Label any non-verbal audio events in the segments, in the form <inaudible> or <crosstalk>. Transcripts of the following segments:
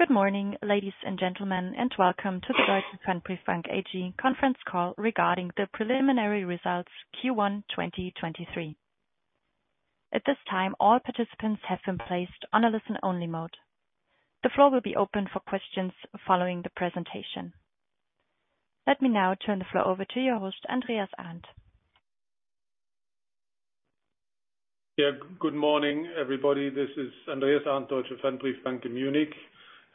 Good morning, ladies and gentlemen, and welcome to the Deutsche Pfandbriefbank AG conference call regarding the preliminary results Q1 2023. At this time, all participants have been placed on a listen-only mode. The floor will be open for questions following the presentation. Let me now turn the floor over to your host, Andreas Arndt. Yeah, good morning, everybody. This is Andreas Arndt, Deutsche Pfandbriefbank in Munich.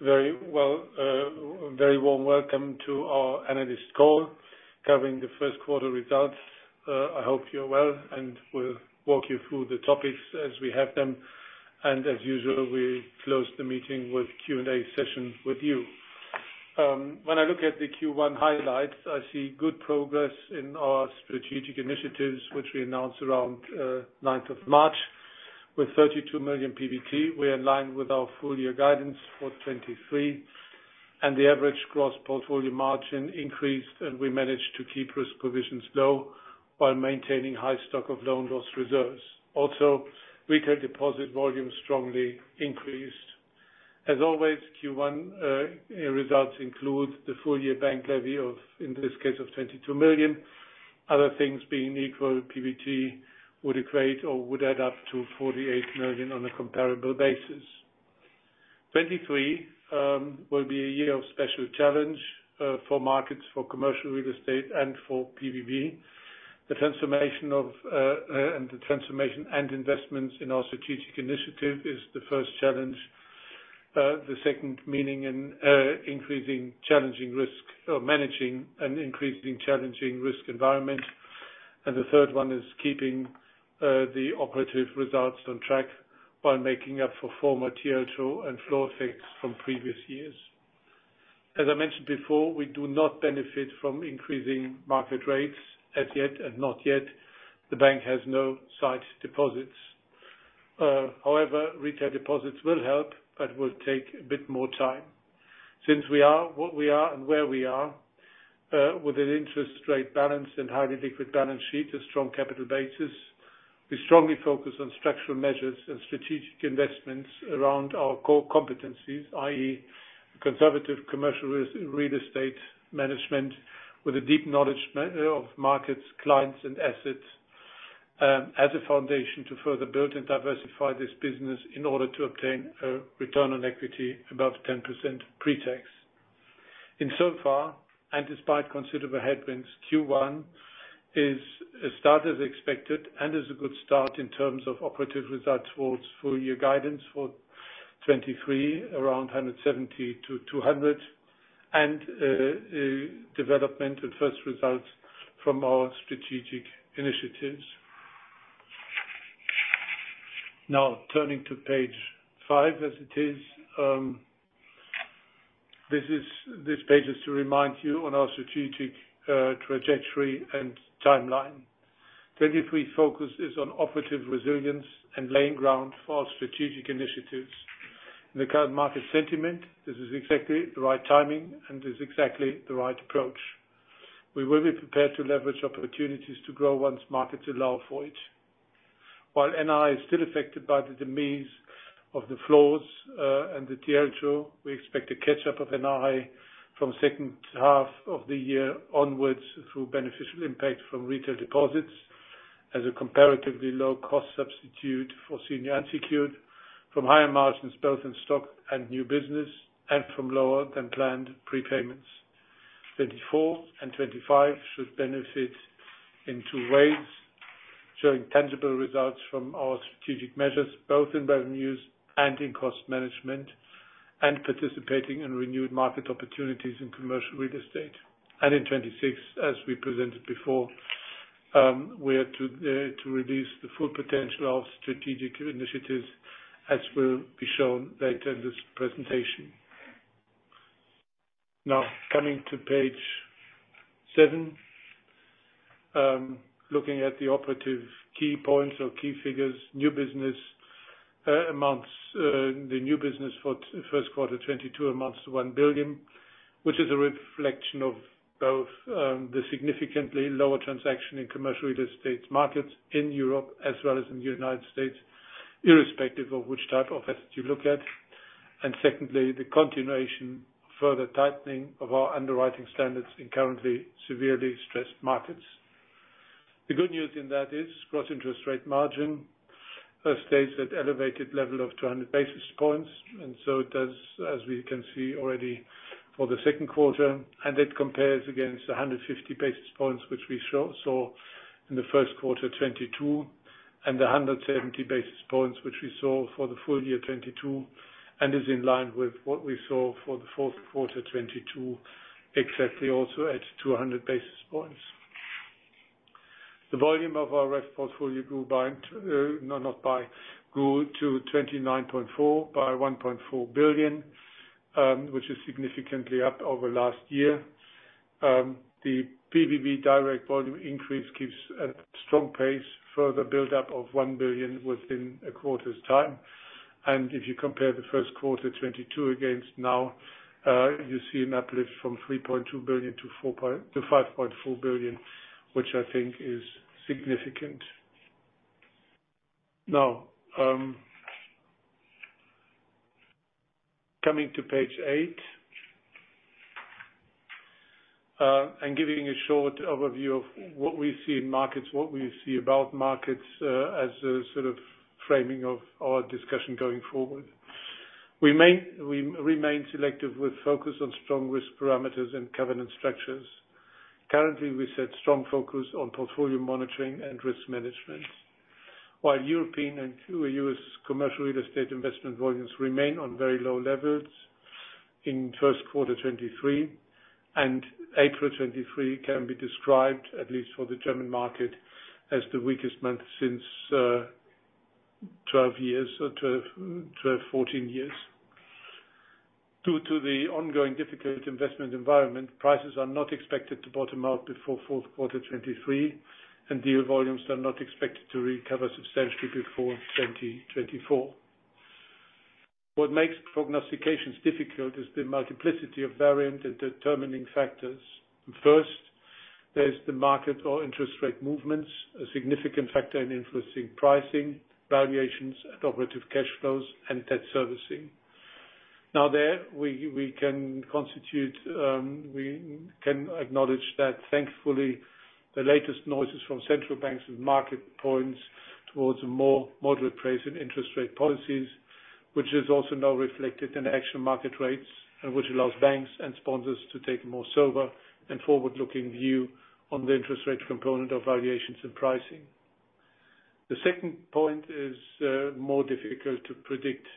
Very warm welcome to our analyst call covering the first quarter results. I hope you're well, and we'll walk you through the topics as we have them. As usual, we close the meeting with Q&A session with you. When I look at the Q1 highlights, I see good progress in our strategic initiatives, which we announced around ninth of March. With 32 million PBT, we're in line with our full year guidance for 2023, and the average gross portfolio margin increased, and we managed to keep risk provisions low while maintaining high stock of loan loss reserves. Also, retail deposit volumes strongly increased. As always, Q1 results include the full-year bank levy of, in this case, of 22 million. Other things being equal, PBT would equate or would add up to 48 million on a comparable basis. 2023 will be a year of special challenge for markets, for Commercial Real Estate and for pbb. The transformation of, and the transformation and investments in our strategic initiative is the first challenge. The second meaning in increasing challenging risk or managing an increasing challenging risk environment. The third one is keeping the operative results on track while making up for former Tier 2 and floor effects from previous years. As I mentioned before, we do not benefit from increasing market rates as yet, and not yet. The bank has no sight deposits. However, retail deposits will help, but will take a bit more time. Since we are what we are and where we are, with an interest rate balance and highly liquid balance sheet, a strong capital basis, we strongly focus on structural measures and strategic investments around our core competencies, i.e., conservative Commercial Real Estate management with a deep knowledge of markets, clients and assets, as a foundation to further build and diversify this business in order to obtain a return on equity above 10% pre-tax. In so far, despite considerable headwinds, Q1 is a start as expected and is a good start in terms of operative results towards full year guidance for 2023, around 170 million-200 million, development and first results from our strategic initiatives. Now turning to page five as it is. This page is to remind you on our strategic trajectory and timeline. 2023 Focus is on operative resilience and laying ground for our strategic initiatives. In the current market sentiment, this is exactly the right timing and is exactly the right approach. We will be prepared to leverage opportunities to grow once markets allow for it. While NI is still affected by the demise of the floors, and the Tier 2, we expect a catch-up of NI from second half of the year onwards through beneficial impact from retail deposits as a comparatively low-cost substitute for senior unsecured from higher margins both in stock and new business, and from lower than planned prepayments. 2024 and 2025 should benefit in two ways, showing tangible results from our strategic measures, both in revenues and in cost management, and participating in renewed market opportunities in Commercial Real Estate. In 2026, as we presented before, we are to release the full potential of strategic initiatives as will be shown later in this presentation. Now coming to page seven, looking at the operative key points or key figures. New business amounts, the new business for Q1 2022 amounts to 1 billion, which is a reflection of both, the significantly lower transaction in Commercial Real Estate markets in Europe as well as in the United States, irrespective of which type of asset you look at. Secondly, the continuation further tightening of our underwriting standards in currently severely stressed markets. The good news in that is gross interest rate margin stays at elevated level of 200 basis points. It does as we can see already for the second quarter. It compares against 150 basis points, which we saw in the first quarter 2022. The 170 basis points, which we saw for the full year 2022, is in line with what we saw for the fourth quarter 2022, exactly also at 200 basis points. The volume of our rest portfolio grew to 29.4 by 1.4 billion, which is significantly up over last year. The pbb direkt volume increase keeps a strong pace, further build-up of 1 billion within a quarter's time. If you compare the first quarter 2022 against now, you see an uplift from 3.2 billion-5.4 billion, which I think is significant. Now, coming to page eight. Giving a short overview of what we see in markets, what we see about markets, as a sort of framing of our discussion going forward. We remain selective with focus on strong risk parameters and covenant structures. Currently, we set strong focus on portfolio monitoring and risk management. While European and few U.S. Commercial Real Estate investment volumes remain on very low levels in first quarter 2023. April 2023 can be described, at least for the German market, as the weakest month since 12 years or 14 years. Due to the ongoing difficult investment environment, prices are not expected to bottom out before fourth quarter 2023. Deal volumes are not expected to recover substantially before 2024. What makes prognostications difficult is the multiplicity of variant and determining factors. First, there's the market or interest rate movements, a significant factor in influencing pricing, valuations, and operative cash flows, and debt servicing. There we can constitute, we can acknowledge that thankfully, the latest noises from central banks and market points towards a more moderate pace in interest rate policies, which is also now reflected in actual market rates. Which allows banks and sponsors to take more sober and forward-looking view on the interest rate component of valuations and pricing. The second point is more difficult to predict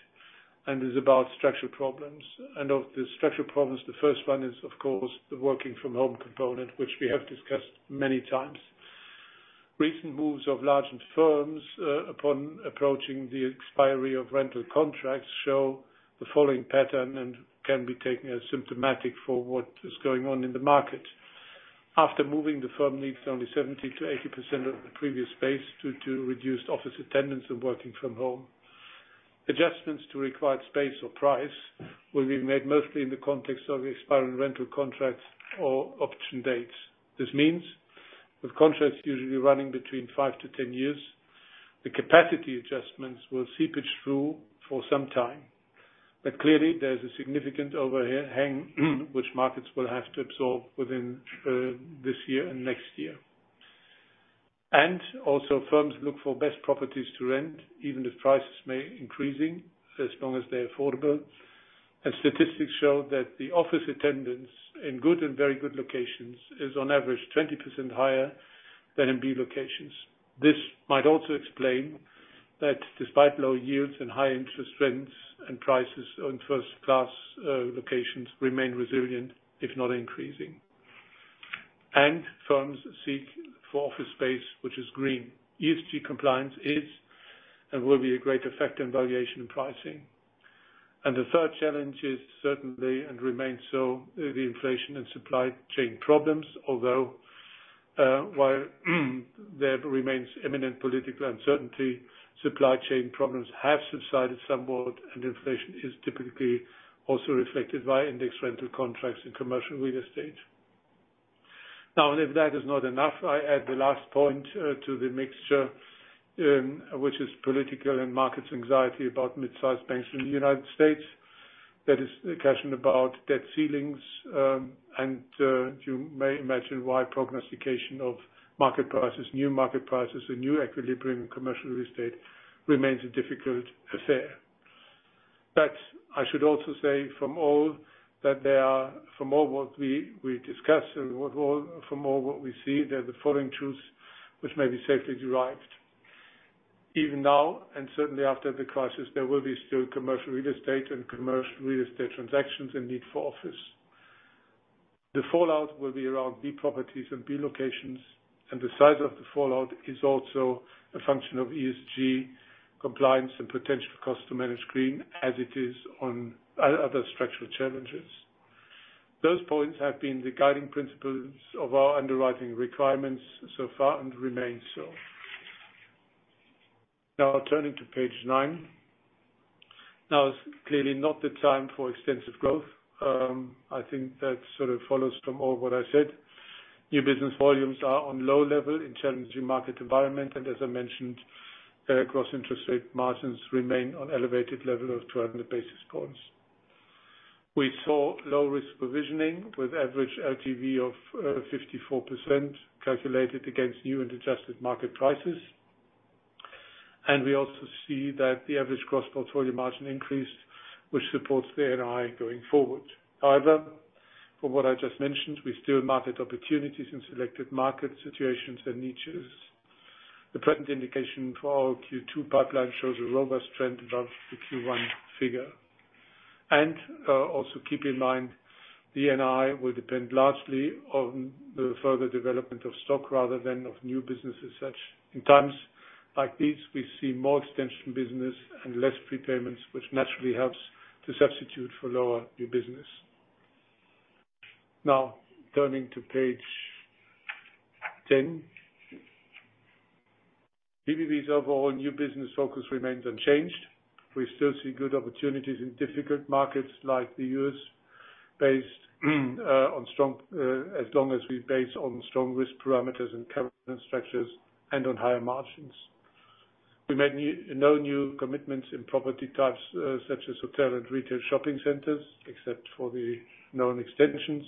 and is about structural problems. Of the structural problems, the first one is, of course, the working from home component, which we have discussed many times. Recent moves of large firms, upon approaching the expiry of rental contracts show the following pattern and can be taken as symptomatic for what is going on in the market. After moving, the firm needs only 70%-80% of the previous space due to reduced office attendance and working from home. Adjustments to required space or price will be made mostly in the context of expiring rental contracts or option dates. This means, with contracts usually running between 5-10 years, the capacity adjustments will seepage through for some time. Clearly, there's a significant overhang which markets will have to absorb within this year and next year. Also firms look for best properties to rent, even if prices may increasing as long as they're affordable. Statistics show that the office attendance in good and very good locations is on average 20% higher than in B locations. This might also explain that despite low yields and high interest rents and prices on first-class locations remain resilient, if not increasing. Firms seek for office space, which is green. ESG compliance is and will be a great effect in valuation and pricing. The third challenge is certainly, and remains so, the inflation and supply chain problems. Although, while there remains imminent political uncertainty, supply chain problems have subsided somewhat, and inflation is typically also reflected by index rental contracts in Commercial Real Estate. If that is not enough, I add the last point to the mixture, which is political and markets anxiety about mid-sized banks in the United States. That is the question about debt ceilings, and you may imagine why prognostication of market prices, new market prices and new equilibrium in Commercial Real Estate remains a difficult affair. I should also say from all what we discussed and from all what we see, there are the following truths which may be safely derived. Even now, certainly after the crisis, there will be still Commercial Real Estate and Commercial Real Estate transactions and need for office. The fallout will be around B properties and B locations. The size of the fallout is also a function of ESG compliance and potential cost to manage green as it is on other structural challenges. Those points have been the guiding principles of our underwriting requirements so far and remain so. Turning to page nine. It's clearly not the time for extensive growth. I think that sort of follows from all what I said. New business volumes are on low level in challenging market environment. As I mentioned, gross interest rate margins remain on elevated level of 200 basis points. We saw low risk provisioning with average LTV of 54% calculated against new and adjusted market prices. We also see that the average gross portfolio margin increased, which supports the NII going forward. However, from what I just mentioned, we still market opportunities in selected market situations and niches. The present indication for our Q2 pipeline shows a robust trend above the Q1 figure. Also keep in mind, the NII will depend largely on the further development of stock rather than of new business as such. In times like these, we see more extension business and less prepayments, which naturally helps to substitute for lower new business. Now, turning to page 10. pbb's overall new business focus remains unchanged. We still see good opportunities in difficult markets like the U.S.-based, on strong, as long as we base on strong risk parameters and current structures and on higher margins. We made no new commitments in property types, such as hotel and retail shopping centers, except for the known extensions.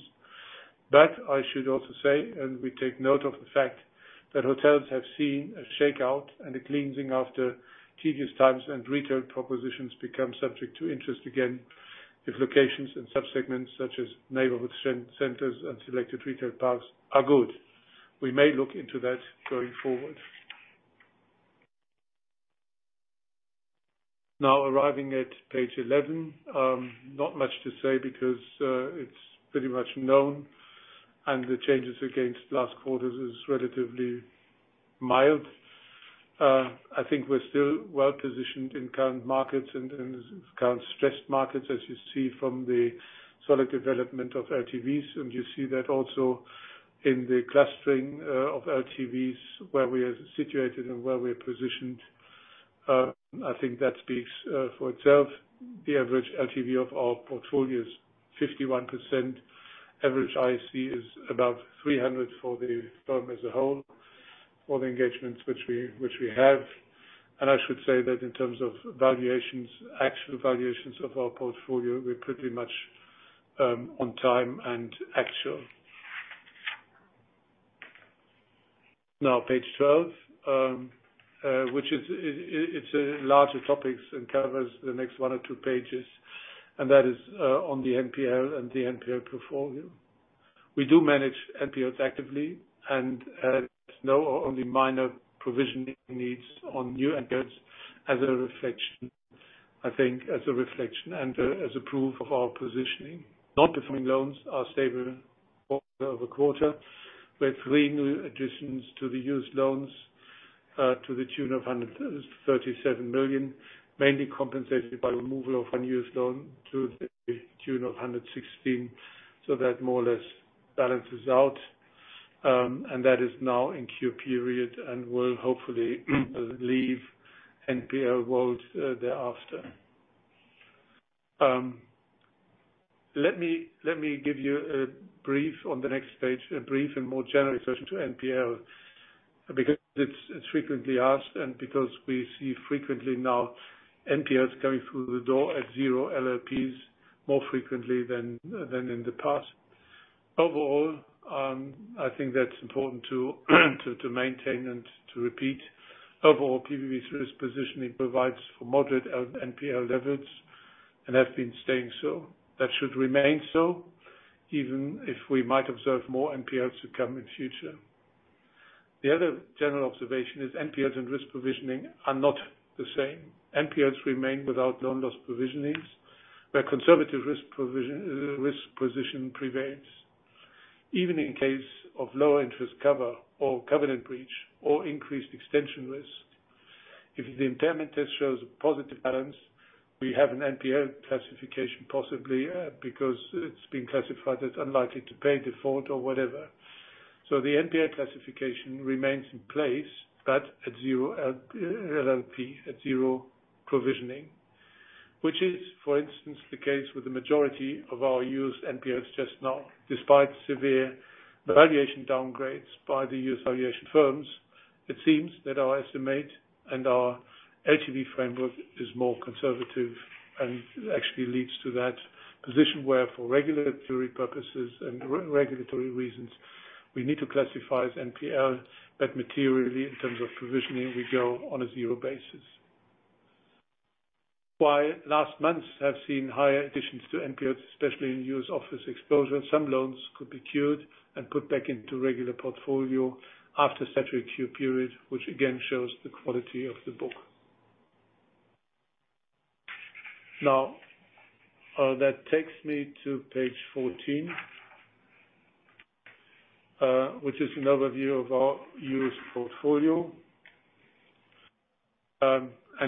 I should also say, and we take note of the fact, that hotels have seen a shakeout and a cleansing after tedious times, and retail propositions become subject to interest again, if locations and sub-segments such as neighborhood centers and selected retail parks are good. We may look into that going forward. Arriving at page 11, not much to say because it's pretty much known, and the changes against last quarter is relatively mild. I think we're still well-positioned in current markets and current stressed markets, as you see from the solid development of LTVs, and you see that also in the clustering of LTVs, where we are situated and where we're positioned. I think that speaks for itself. The average LTV of our portfolio is 51%. Average IC is about 300 for the firm as a whole, for the engagements which we have. I should say that in terms of valuations, actual valuations of our portfolio, we're pretty much on time and actual. Page 12, which it's a larger topics and covers the next one or two pages, and that is on the NPL and the NPL portfolio. We do manage NPLs actively and there's no or only minor provisioning needs on new NPLs as a reflection, I think as a reflection and as a proof of our positioning. Non-performing loans are stable over the quarter, with three new additions to the used loans, to the tune of 137 million, mainly compensated by removal of unused loan to the tune of 116 million. That more or less balances out. And that is now in Q period and will hopefully leave NPL world thereafter. Let me give you a brief on the next page, a brief and more general introduction to NPL, because it's frequently asked and because we see frequently now NPLs coming through the door at zero LLPs more frequently than in the past. Overall, I think that's important to maintain and to repeat. Overall, pbb's risk positioning provides for moderate NPL levels and have been staying so. That should remain so, even if we might observe more NPLs to come in future. The other general observation is NPLs and risk provisioning are not the same. NPLs remain without loan loss provisionings, where conservative risk provision, risk position prevails, even in case of low interest cover or covenant breach or increased extension risk. If the impairment test shows a positive balance, we have an NPL classification, possibly, because it's been classified as unlikely to pay default or whatever. The NPL classification remains in place, but at zero LP, at zero provisioning, which is, for instance, the case with the majority of our used NPLs just now. Despite severe valuation downgrades by the U.S. valuation firms, it seems that our estimate and our LTV framework is more conservative and actually leads to that position where for regulatory purposes and re-regulatory reasons, we need to classify as NPL that materially, in terms of provisioning, we go on a zero basis. While last months have seen higher additions to NPLs, especially in U.S. office exposure, some loans could be cured and put back into regular portfolio after statutory cure period, which again shows the quality of the book. That takes me to page 14, which is an overview of our U.S. portfolio.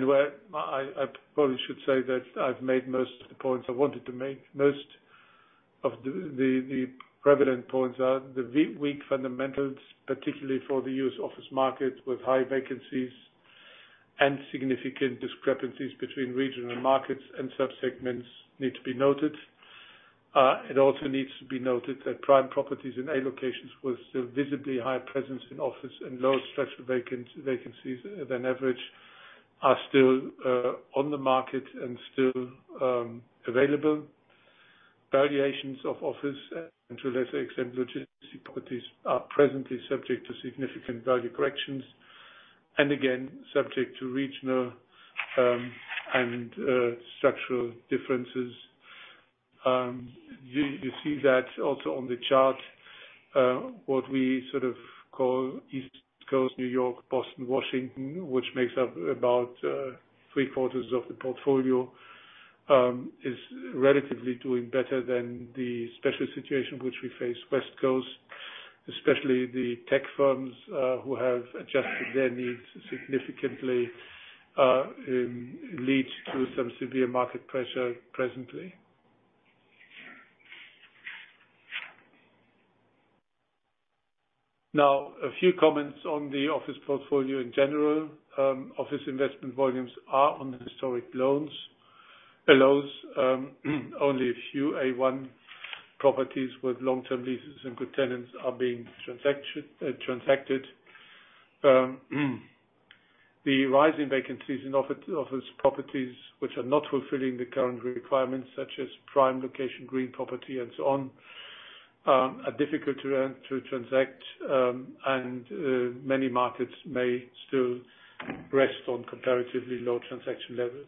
Where I probably should say that I've made most of the points I wanted to make. Most of the, the prevalent points are the weak fundamentals, particularly for the U.S. office market with high vacancies and significant discrepancies between regional markets and sub-segments need to be noted. It also needs to be noted that prime properties in A locations with still visibly high presence in office and lower structural vacancies than average are still on the market and still available. Valuations of office and to a lesser extent, logistics properties are presently subject to significant value corrections, and again, subject to regional and structural differences. You see that also on the chart, what we sort of call East Coast, New York, Boston, Washington, which makes up about three-quarters of the portfolio, is relatively doing better than the special situation which we face West Coast, especially the tech firms, who have adjusted their needs significantly, leads to some severe market pressure presently. A few comments on the office portfolio in general. Office investment volumes are on the historic loans. Below us, only a few A one properties with long-term leases and good tenants are being transacted. The rising vacancies in office properties which are not fulfilling the current requirements such as prime location, green property, and so on, are difficult to transact, and many markets may still rest on comparatively low transaction levels.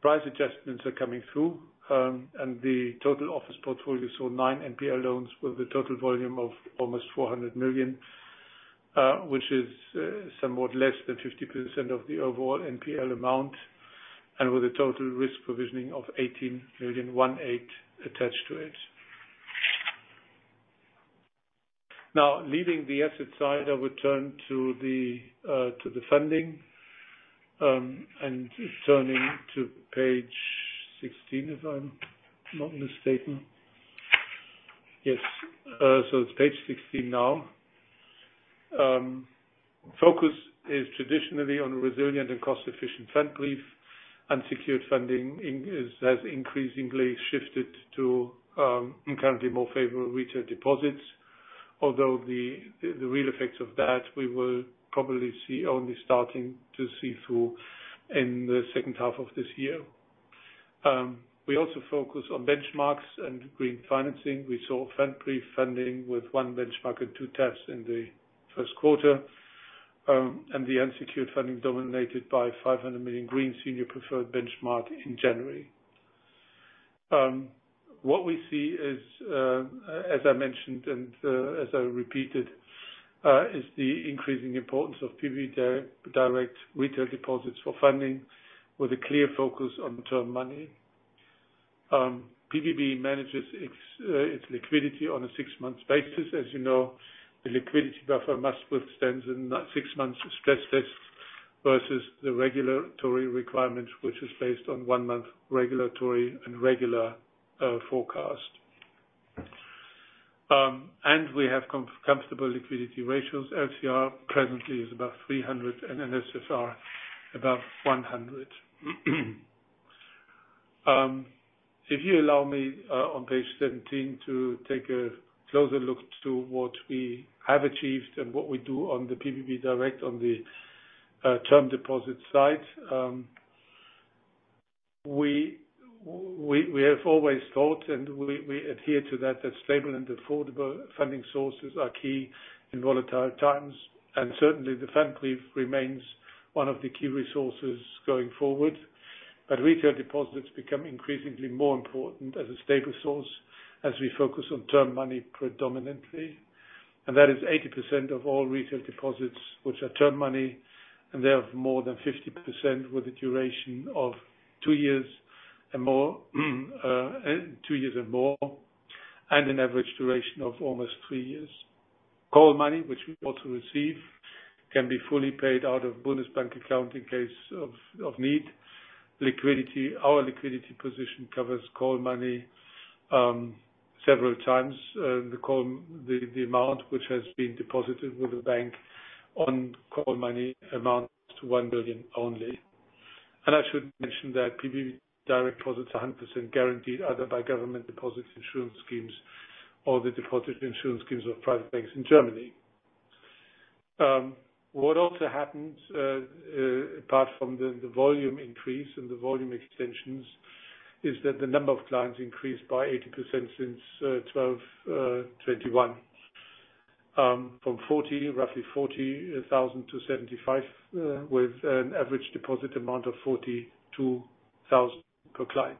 Price adjustments are coming through, and the total office portfolio saw nine NPL loans with a total volume of almost 400 million, which is somewhat less than 50% of the overall NPL amount and with a total risk provisioning of 18 million attached to it. Leaving the asset side, I will turn to the funding, and turning to page 16, if I'm not mistaken. Yes, so it's page 16 now. Focus is traditionally on resilient and cost-efficient Pfandbrief and secured funding has increasingly shifted to currently more favorable retail deposits. Although the real effects of that we will probably see only starting to see through in the second half of this year. We also focus on benchmarks and green financing. We saw Pfandbrief funding with one benchmark and two tests in the first quarter, and the unsecured funding dominated by 500 million green senior preferred benchmark in January. What we see is as I mentioned and as I repeated is the increasing importance of pbb direkt retail deposits for funding with a clear focus on term money. pbb manages its liquidity on a six-month basis. As you know, the liquidity buffer must withstand the six months stress test versus the regulatory requirements, which is based on one-month regulatory and regular forecast. We have comfortable liquidity ratios. LCR presently is above 300, and NSFR above 100. If you allow me on page 17 to take a closer look to what we have achieved and what we do on the pbb direkt on the term deposit side. We have always thought, and we adhere to that stable and affordable funding sources are key in volatile times, and certainly the Pfandbrief remains one of the key resources going forward. Retail deposits become increasingly more important as a stable source as we focus on term money predominantly. That is 80% of all retail deposits which are term money, and they have more than 50% with a duration of two years and more, and an average duration of almost three years. Call money, which we also receive, can be fully paid out of Bundesbank account in case of need. Liquidity, our liquidity position covers call money several times. The amount which has been deposited with the bank on call money amounts to 1 billion only. I should mention that pbb direkt deposits are 100% guaranteed either by government deposit insurance schemes or the deposit insurance schemes of private banks in Germany. What also happens, apart from the volume increase and the volume extensions, is that the number of clients increased by 80% since 2021. From roughly 40,000 to 75, with an average deposit amount of 42,000 per client.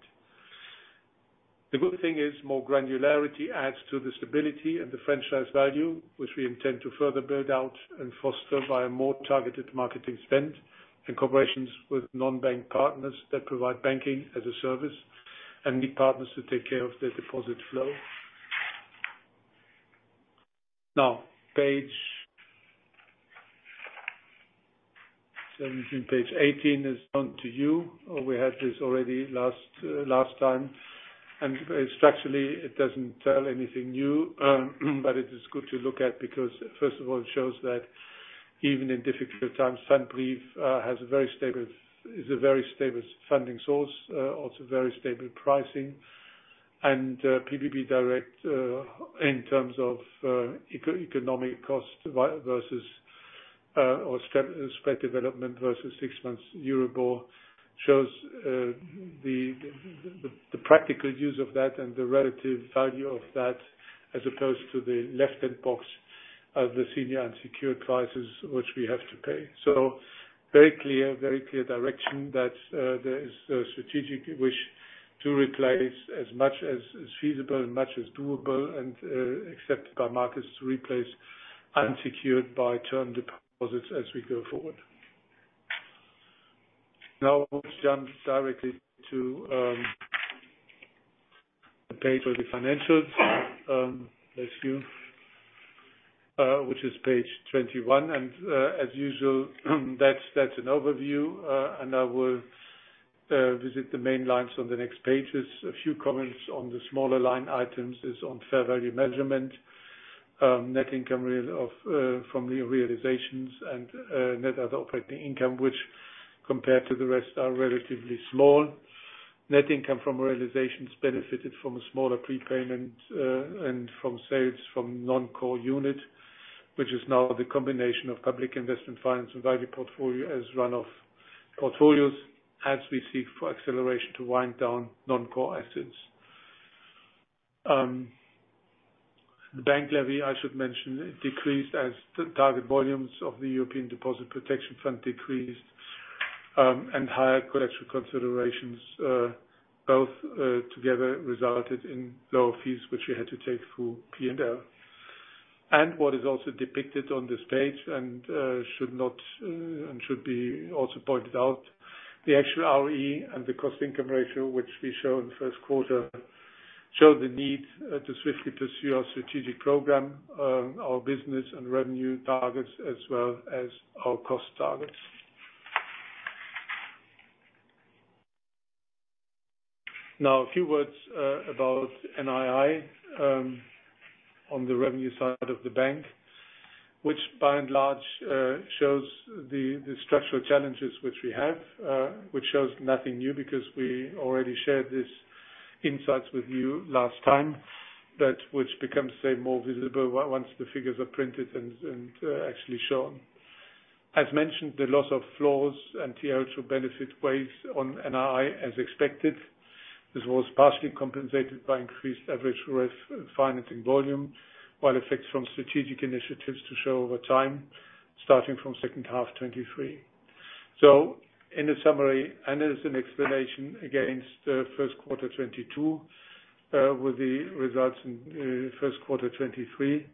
The good thing is more granularity adds to the stability and the franchise value, which we intend to further build out and foster via more targeted marketing spend and corporations with non-bank partners that provide Banking-as-a-Service and need partners to take care of their deposit flow. Page 17, page 18 is known to you, or we had this already last time, structurally it doesn't tell anything new. It is good to look at because first of all, it shows that even in difficult times, Pfandbrief is a very stable funding source, also very stable pricing.... And pbb direkt in terms of economic cost versus spread development versus six months Euribor shows the practical use of that and the relative value of that as opposed to the left-hand box of the senior unsecured prices which we have to pay. Very clear, very clear direction that there is a strategic wish to replace as much as is feasible and much as doable and accepted by markets to replace unsecured by term deposits as we go forward. Now jump directly to the page with the financials. Next view, which is page 21, and as usual, that's an overview. I will visit the main lines on the next pages A few comments on the smaller line items is on fair value measurement, net income from the realizations and net other operating income, which compared to the rest, are relatively small. Net income from realizations benefited from a smaller prepayment and from sales from non-core unit, which is now the combination of public investment funds and value portfolio as one of portfolios, as we seek for acceleration to wind down non-core assets. The bank levy, I should mention, decreased as the target volumes of the European Deposit Protection Fund decreased and higher collection considerations, both together resulted in lower fees, which we had to take through P&L. What is also depicted on this page and should not and should be also pointed out, the actual ROE and the cost-income ratio, which we show in first quarter, show the need to swiftly pursue our strategic program, our business and revenue targets as well as our cost targets. A few words about NII on the revenue side of the bank, which by and large shows the structural challenges which we have, which shows nothing new because we already shared these insights with you last time, but which becomes, say, more visible once the figures are printed and actually shown. As mentioned, the loss of floors and TLTRO benefit weighs on NII as expected. This was partially compensated by increased average risk financing volume, while effects from strategic initiatives to show over time, starting from second half 2023. In a summary, as an explanation against the first quarter 2022, with the results in first quarter 2023,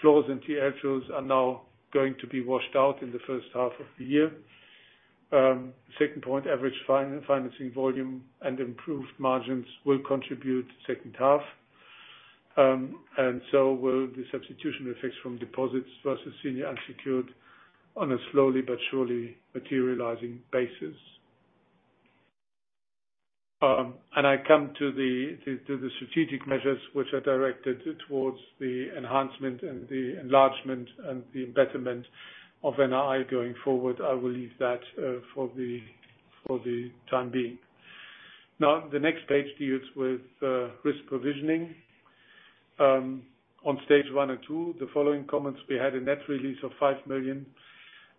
floors and TLTROs are now going to be washed out in the first half of the year. Second point, average financing volume and improved margins will contribute second half. Will the substitution effects from deposits versus senior unsecured on a slowly but surely materializing basis. I come to the strategic measures which are directed towards the enhancement and the enlargement and the betterment of NII going forward. I will leave that for the time being. The next page deals with risk provisioning. On Stage 1 and 2, the following comments, we had a net release of 5 million.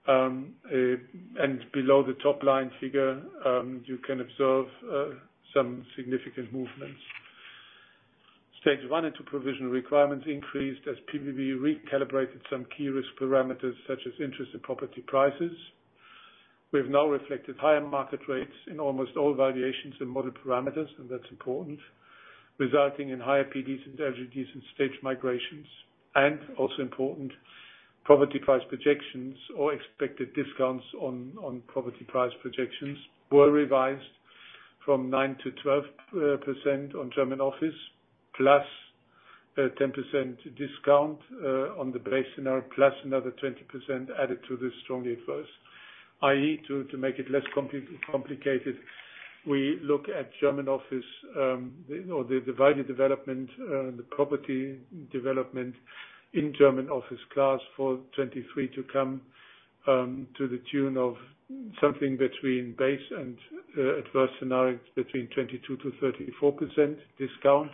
Below the top line figure, you can observe some significant movements. Stage 1 and 2 provision requirements increased as pbb recalibrated some key risk parameters, such as interest in property prices. We've now reflected higher market rates in almost all variations in model parameters, and that's important, resulting in higher PDs and LGDs in stage migrations. Also important, property price projections or expected discounts on property price projections were revised from 9%-12% on German office, plus 10% discount on the base scenario, plus another 20% added to the strongly adverse. i.e., to make it less complicated, we look at German office, the or the divided development, the property development in German office class for 2023 to come, to the tune of something between base and adverse scenarios between 22%-34% discount.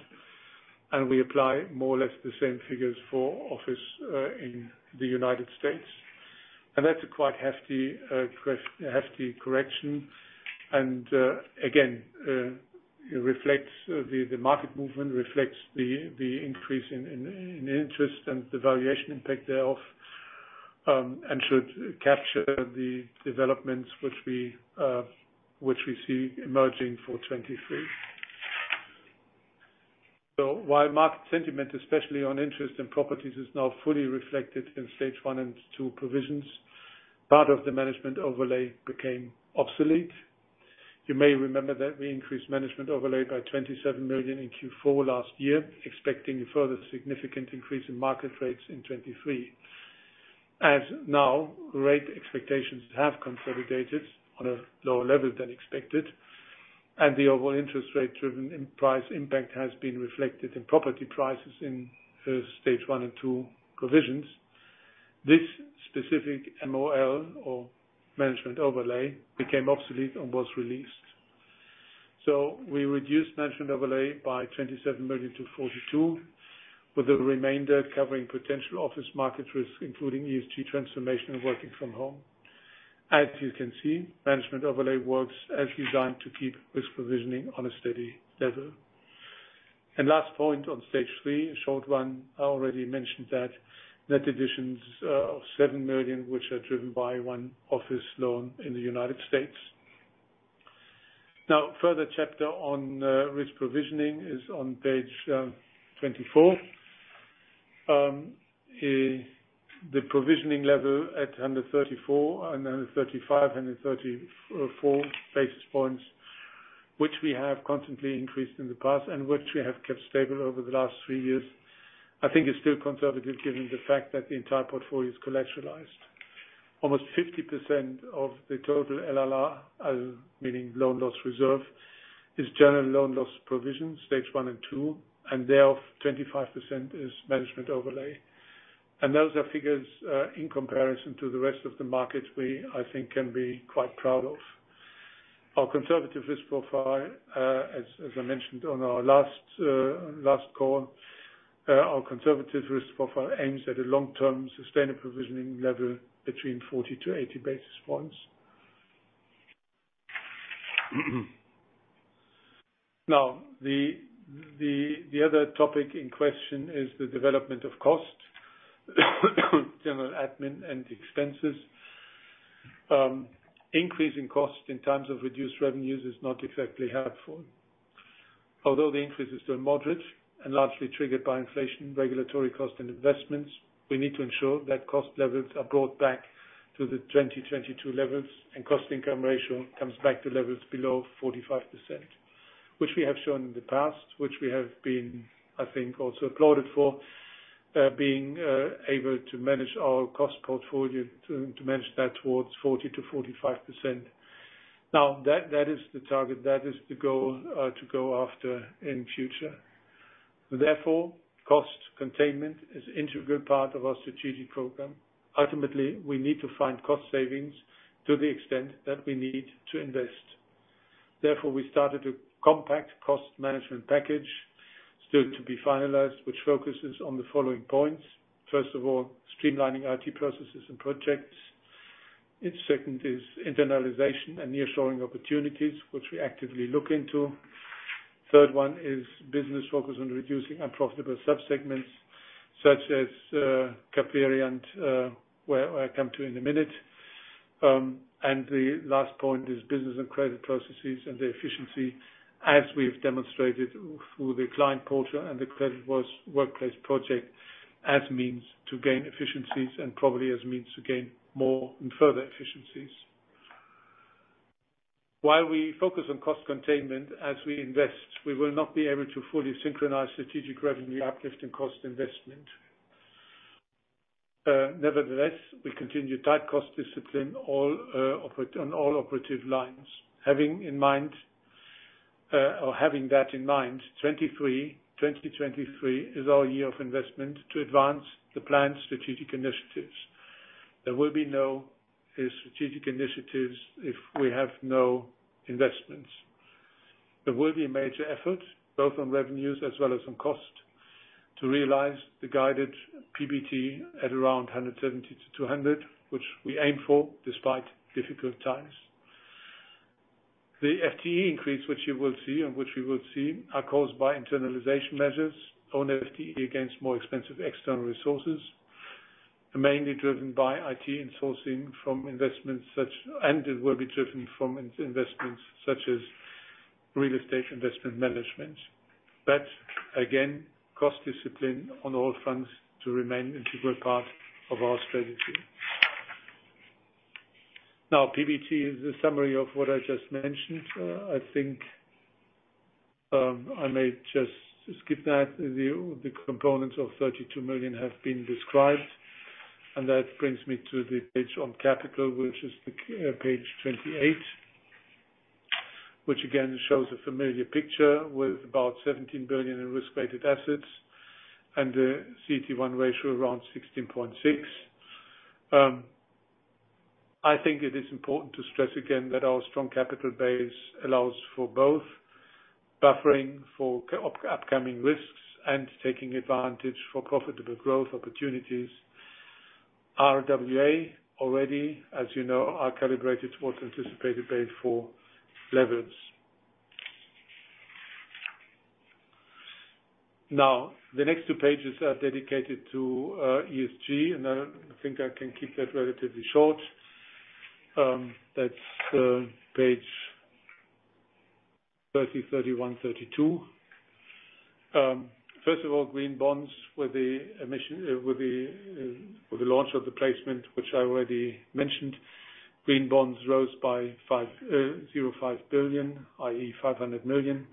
We apply more or less the same figures for office in the United States. That's a quite hefty correction. Again, it reflects the market movement, reflects the increase in interest and the valuation impact thereof, and should capture the developments which we see emerging for 2023. While market sentiment, especially on interest in properties, is now fully reflected in Stage 1 and Stage 2 provisions, part of the management overlay became obsolete. You may remember that we increased management overlay by 27 million in Q4 last year, expecting a further significant increase in market rates in 2023. Now, rate expectations have consolidated on a lower level than expected, and the overall interest rate-driven im-price impact has been reflected in property prices in Stage 1 and Stage 2 provisions. This specific MOL or management overlay became obsolete and was released. We reduced management overlay by 27 million-42 million, with the remainder covering potential office market risk, including ESG transformation and working from home. You can see, management overlay works as designed to keep risk provisioning on a steady level. Last point on Stage 3, a short one, I already mentioned that net additions of 7 million, which are driven by one office loan in the United States. Further chapter on risk provisioning is on page 24. The provisioning level at 134 and 135, 134 basis points, which we have constantly increased in the past and which we have kept stable over the last three years. I think it's still conservative given the fact that the entire portfolio is collateralized. Almost 50% of the total LLR, meaning loan loss reserve, is general loan loss provision, Stage 1 and 2, and thereof 25% is management overlay. Those are figures in comparison to the rest of the market we, I think, can be quite proud of. Our conservative risk profile, as I mentioned on our last call, our conservative risk profile aims at a long-term sustainable provisioning level between 40-80 basis points. Now, the other topic in question is the development of costs, general admin and expenses. Increase in costs in times of reduced revenues is not exactly helpful. Although the increase is still moderate and largely triggered by inflation, regulatory cost, and investments, we need to ensure that cost levels are brought back to the 2022 levels and cost income ratio comes back to levels below 45%. Which we have shown in the past, which we have been, I think, also applauded for being able to manage our cost portfolio to manage that towards 40%-45%. Now, that is the target, that is the goal to go after in future. Therefore, cost containment is integral part of our strategic program. Ultimately, we need to find cost savings to the extent that we need to invest. We started a compact cost management package, still to be finalized, which focuses on the following points. First of all, streamlining IT processes and projects. Second is internalization and nearshoring opportunities, which we actively look into. Third one is business focus on reducing unprofitable sub-segments, such as CAPVERIANT and where I come to in a minute. The last point is business and credit processes and the efficiency as we've demonstrated through the client culture and the Credit Workplace project as means to gain efficiencies and probably as means to gain more and further efficiencies. While we focus on cost containment as we invest, we will not be able to fully synchronize strategic revenue uplift and cost investment. Nevertheless, we continue tight cost discipline on all operative lines. Having in mind, or having that in mind, 2023 is our year of investment to advance the planned strategic initiatives. There will be no strategic initiatives if we have no investments. There will be a major effort, both on revenues as well as on cost, to realize the guided PBT at around 170-200, which we aim for despite difficult times. The FTE increase, which you will see and which we will see, are caused by internalization measures on FTE against more expensive external resources, mainly driven by IT. It will be driven from in-investments such as real estate investment management. Again, cost discipline on all fronts to remain integral part of our strategy. PBT is a summary of what I just mentioned. I think I may just skip that. The components of 32 million have been described. That brings me to the page on capital, which is the page 28. Again shows a familiar picture with about 17 billion in risk-weighted assets and a CET1 ratio around 16.6. I think it is important to stress again that our strong capital base allows for both buffering for upcoming risks and taking advantage for profitable growth opportunities. RWA already, as you know, are calibrated towards anticipated Basel IV levels. The next two pages are dedicated to ESG. I think I can keep that relatively short. That's page 30, 31, 32. First of all, green bonds with the emission with the launch of the placement, which I already mentioned. Green bonds rose by 5.05 billion, i.e., 500 million,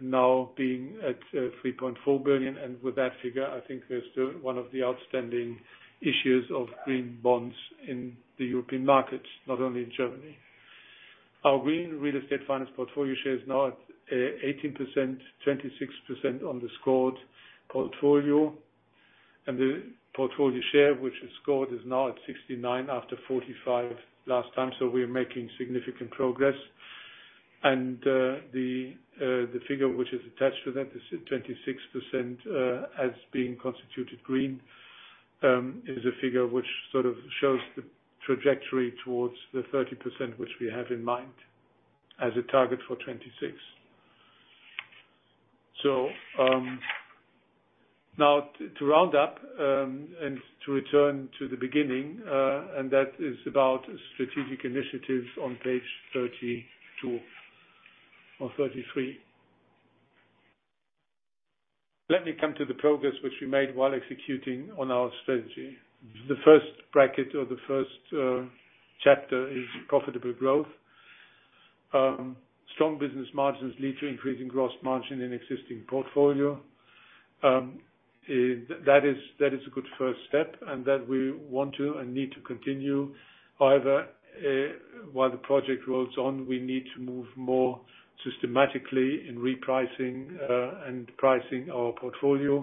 now being at 3.4 billion. With that figure, I think we're still one of the outstanding issuers of green bonds in the European markets, not only in Germany. Our green real estate finance portfolio share is now at 18%, 26% on the scored portfolio. The portfolio share which is scored is now at 69 after 45 last time, so we're making significant progress. The figure which is attached to that is at 26% as being constituted green, is a figure which sort of shows the trajectory towards the 30% which we have in mind as a target for 2026. Now to round up, and to return to the beginning, and that is about strategic initiatives on page 32 or 33. Let me come to the progress which we made while executing on our strategy. The first bracket or the first chapter is profitable growth. Strong business margins lead to increasing gross margin in existing portfolio. That is a good first step, and that we want to and need to continue. However, while the project rolls on, we need to move more systematically in repricing and pricing our portfolio.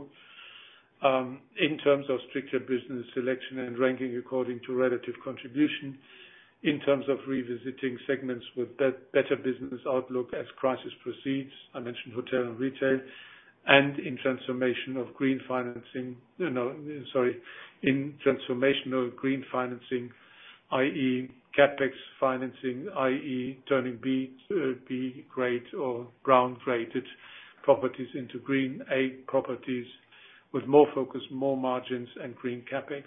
In terms of stricter business selection and ranking according to relative contribution. In terms of revisiting segments with better business outlook as crisis proceeds, I mentioned hotel and retail. In transformational green financing, i.e., CapEx financing, i.e., turning B grade or brown-rated properties into green A properties with more focus, more margins, and green CapEx.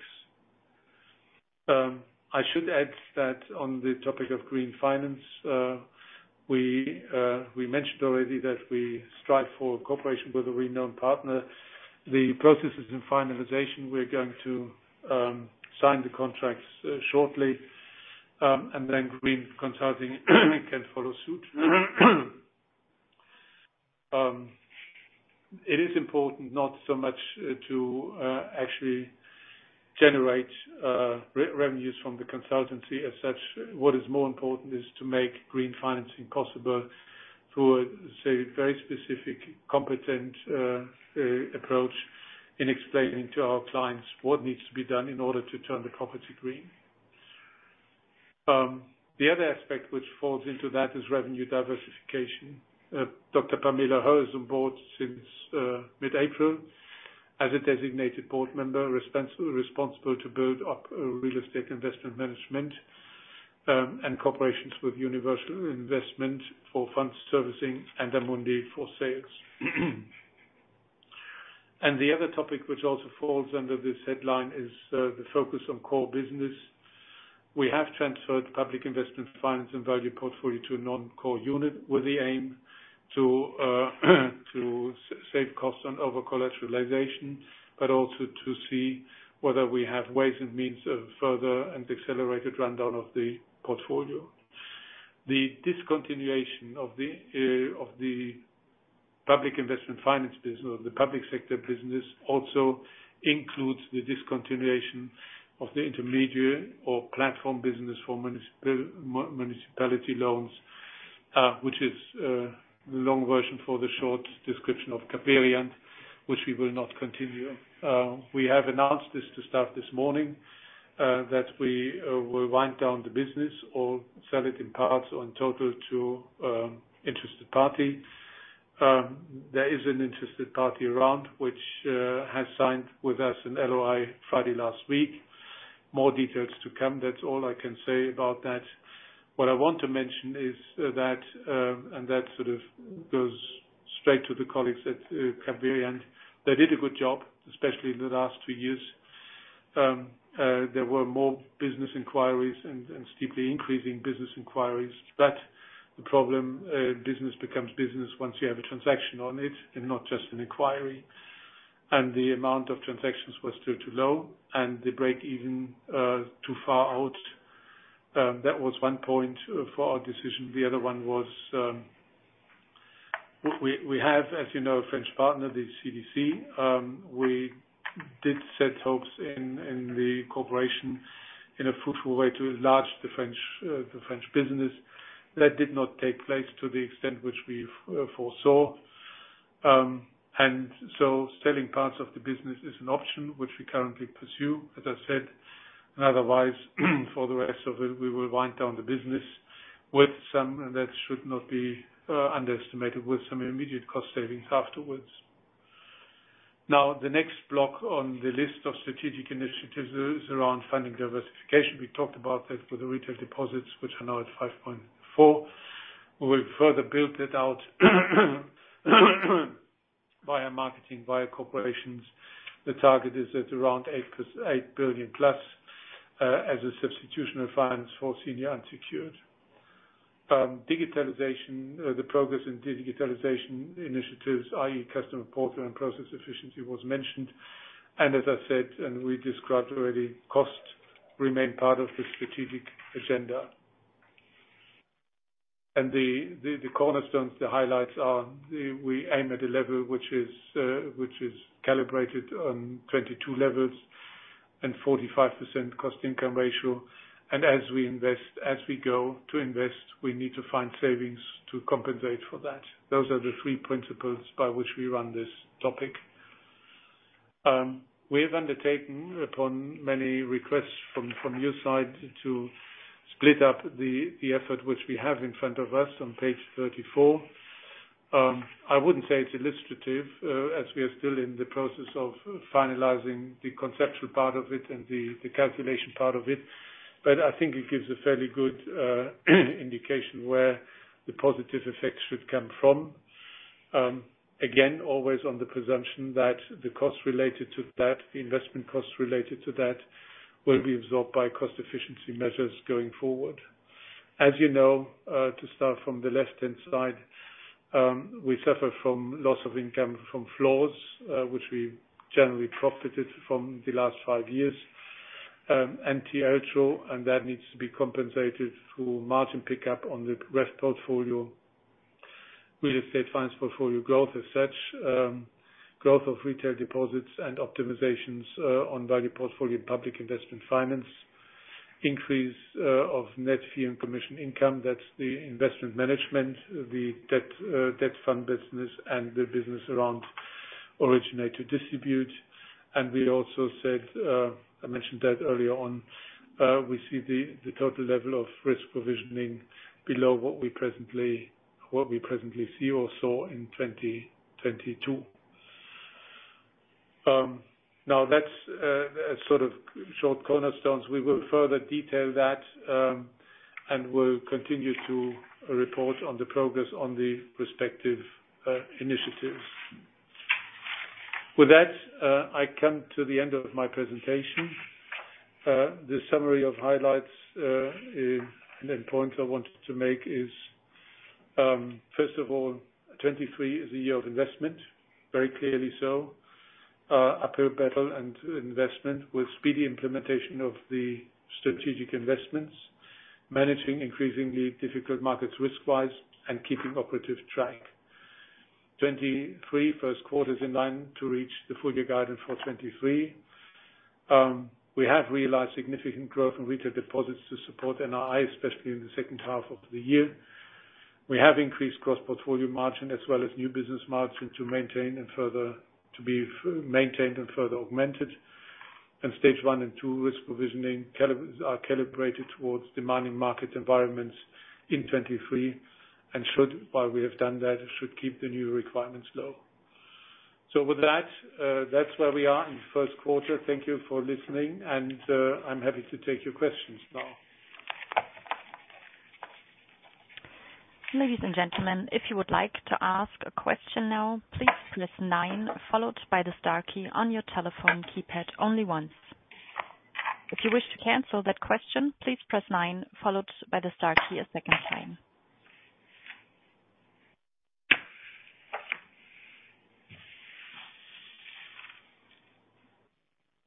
I should add that on the topic of green finance, we mentioned already that we strive for cooperation with a renowned partner. The process is in finalization. We're going to sign the contracts shortly, green consulting can follow suit. It is important not so much to actually generate re-revenues from the consultancy as such. What is more important is to make green financing possible through a, say, very specific, competent approach in explaining to our clients what needs to be done in order to turn the property green. The other aspect which falls into that is revenue diversification. Dr. Pamela Hoerr is on board since mid-April as a designated board member responsible to build up real estate investment management and corporations with Universal-Investment for fund servicing and Amundi for sales. The other topic which also falls under this headline is the focus on core business. We have transferred public investment funds and value portfolio to a non-core unit with the aim to save costs on overcollateralization, but also to see whether we have ways and means of further and accelerated rundown of the portfolio. The discontinuation of the of the Public Investment Finance business or the Public Sector business also includes the discontinuation of the intermediate or platform business for municipality loans, which is the long version for the short description of CAPVERIANT, which we will not continue. We have announced this to start this morning, that we will wind down the business or sell it in parts or in total to interested parties. There is an interested party around which has signed with us an LOI Friday last week. More details to come. That's all I can say about that. What I want to mention is that, and that sort of goes straight to the colleagues at CAPVERIANT. They did a good job, especially in the last two years. There were more business inquiries and steeply increasing business inquiries. The problem, business becomes business once you have a transaction on it and not just an inquiry. The amount of transactions was still too low and the break even too far out. That was one point for our decision. The other one was, we have, as you know, a French partner, the CDC. We did set hopes in the corporation in a fruitful way to enlarge the French business. That did not take place to the extent which we foresaw. Selling parts of the business is an option which we currently pursue, as I said. Otherwise, for the rest of it, we will wind down the business with some, and that should not be underestimated, with some immediate cost savings afterwards. The next block on the list of strategic initiatives is around funding diversification. We talked about that with the retail deposits, which are now at 5.4 billion. We will further build it out via marketing, via corporations. The target is at around 8 billion+ as a substitution of funds for senior unsecured. Digitalization, the progress in digitalization initiatives, i.e., customer portal and process efficiency, was mentioned. As I said, and we described already, costs remain part of the strategic agenda. The cornerstones, the highlights are we aim at a level which is calibrated on 22 levels and 45% cost-income ratio. As we invest, as we go to invest, we need to find savings to compensate for that. Those are the three principles by which we run this topic. We have undertaken upon many requests from your side to split up the effort which we have in front of us on page 34. I wouldn't say it's illustrative, as we are still in the process of finalizing the conceptual part of it and the calculation part of it. I think it gives a fairly good indication where the positive effects should come from. Again, always on the presumption that the costs related to that, the investment costs related to that, will be absorbed by cost efficiency measures going forward. You know, to start from the left-hand side, we suffer from loss of income from floors, which we generally profited from the last five years. TLTRO, and that needs to be compensated through margin pickup on the rest portfolio. Real estate finance portfolio growth as such, growth of retail deposits and optimizations on value portfolio public investment finance. Increase of net fee and commission income, that's the investment management, the debt fund business and the business around originate-to-distribute. We also said, I mentioned that earlier on, we see the total level of risk provisioning below what we presently see or saw in 2022. Now that's a sort of short cornerstones. We will further detail that, and we'll continue to report on the progress on the respective initiatives. With that, I come to the end of my presentation. The summary of highlights is, point I wanted to make is, first of all, 2023 is a year of investment, very clearly so. Upper battle and investment with speedy implementation of the strategic investments, managing increasingly difficult markets risk-wise, and keeping operative track. 2023 first quarter is in line to reach the full year guidance for 2023. We have realized significant growth in retail deposits to support NII, especially in the second half of the year. We have increased cross-portfolio margin as well as new business margin to maintain and further maintained and further augmented. Stage 1 and 2 risk provisioning are calibrated towards demanding market environments in 2023. Should, while we have done that, it should keep the new requirements low. With that's where we are in the first quarter. Thank you for listening and I'm happy to take your questions now. Ladies and gentlemen, if you would like to ask a question now, please press nine followed by the star key on your telephone keypad only once. If you wish to cancel that question, please press nine followed by the star key a second time.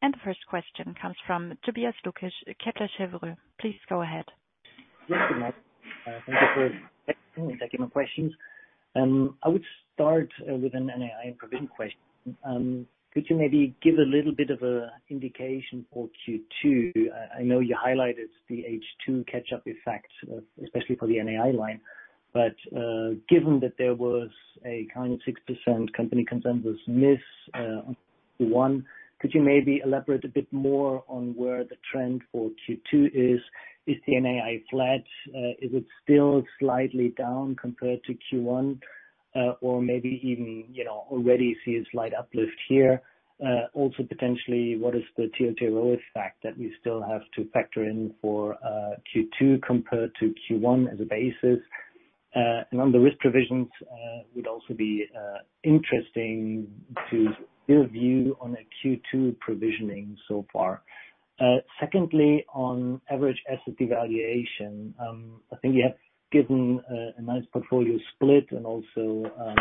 The first question comes from Tobias Lukesch, Kepler Cheuvreux. Please go ahead. Yes, good morning. Thank you for taking my questions. I would start with an NII provision question. Could you maybe give a little bit of a indication for Q2? I know you highlighted the H2 catch-up effect, especially for the NII line. Given that there was a kind of 6% company consensus miss, one, could you maybe elaborate a bit more on where the trend for Q2 is? Is the NII flat? Is it still slightly down compared to Q1? Or maybe even, you know, already see a slight uplift here. Potentially, what is the TLTRO effect that we still have to factor in for Q2 compared to Q1 as a basis? On the risk provisions, would also be interesting to hear view on a Q2 provisioning so far. secondly, on average asset devaluation, I think you have given a nice portfolio split and also,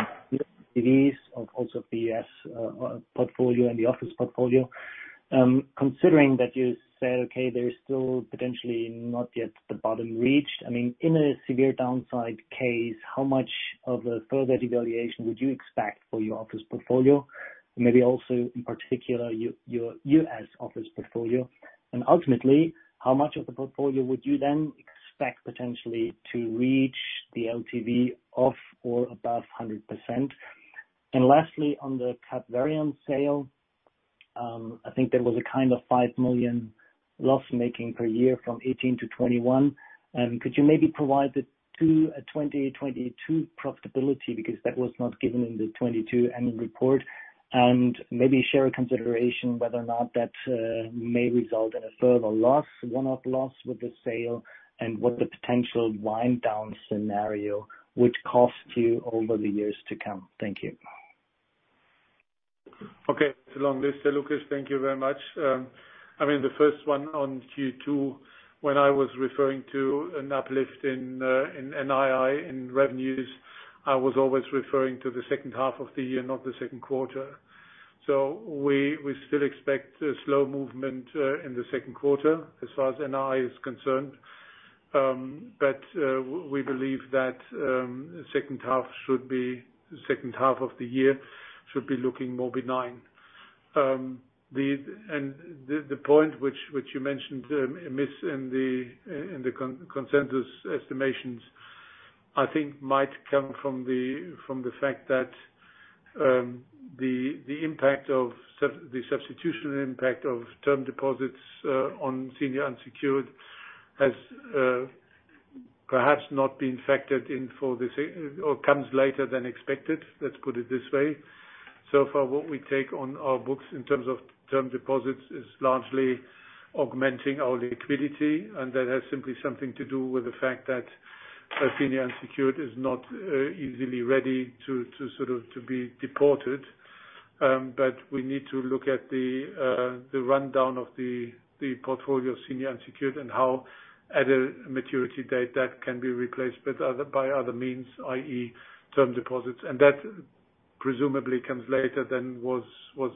Presumably comes later than was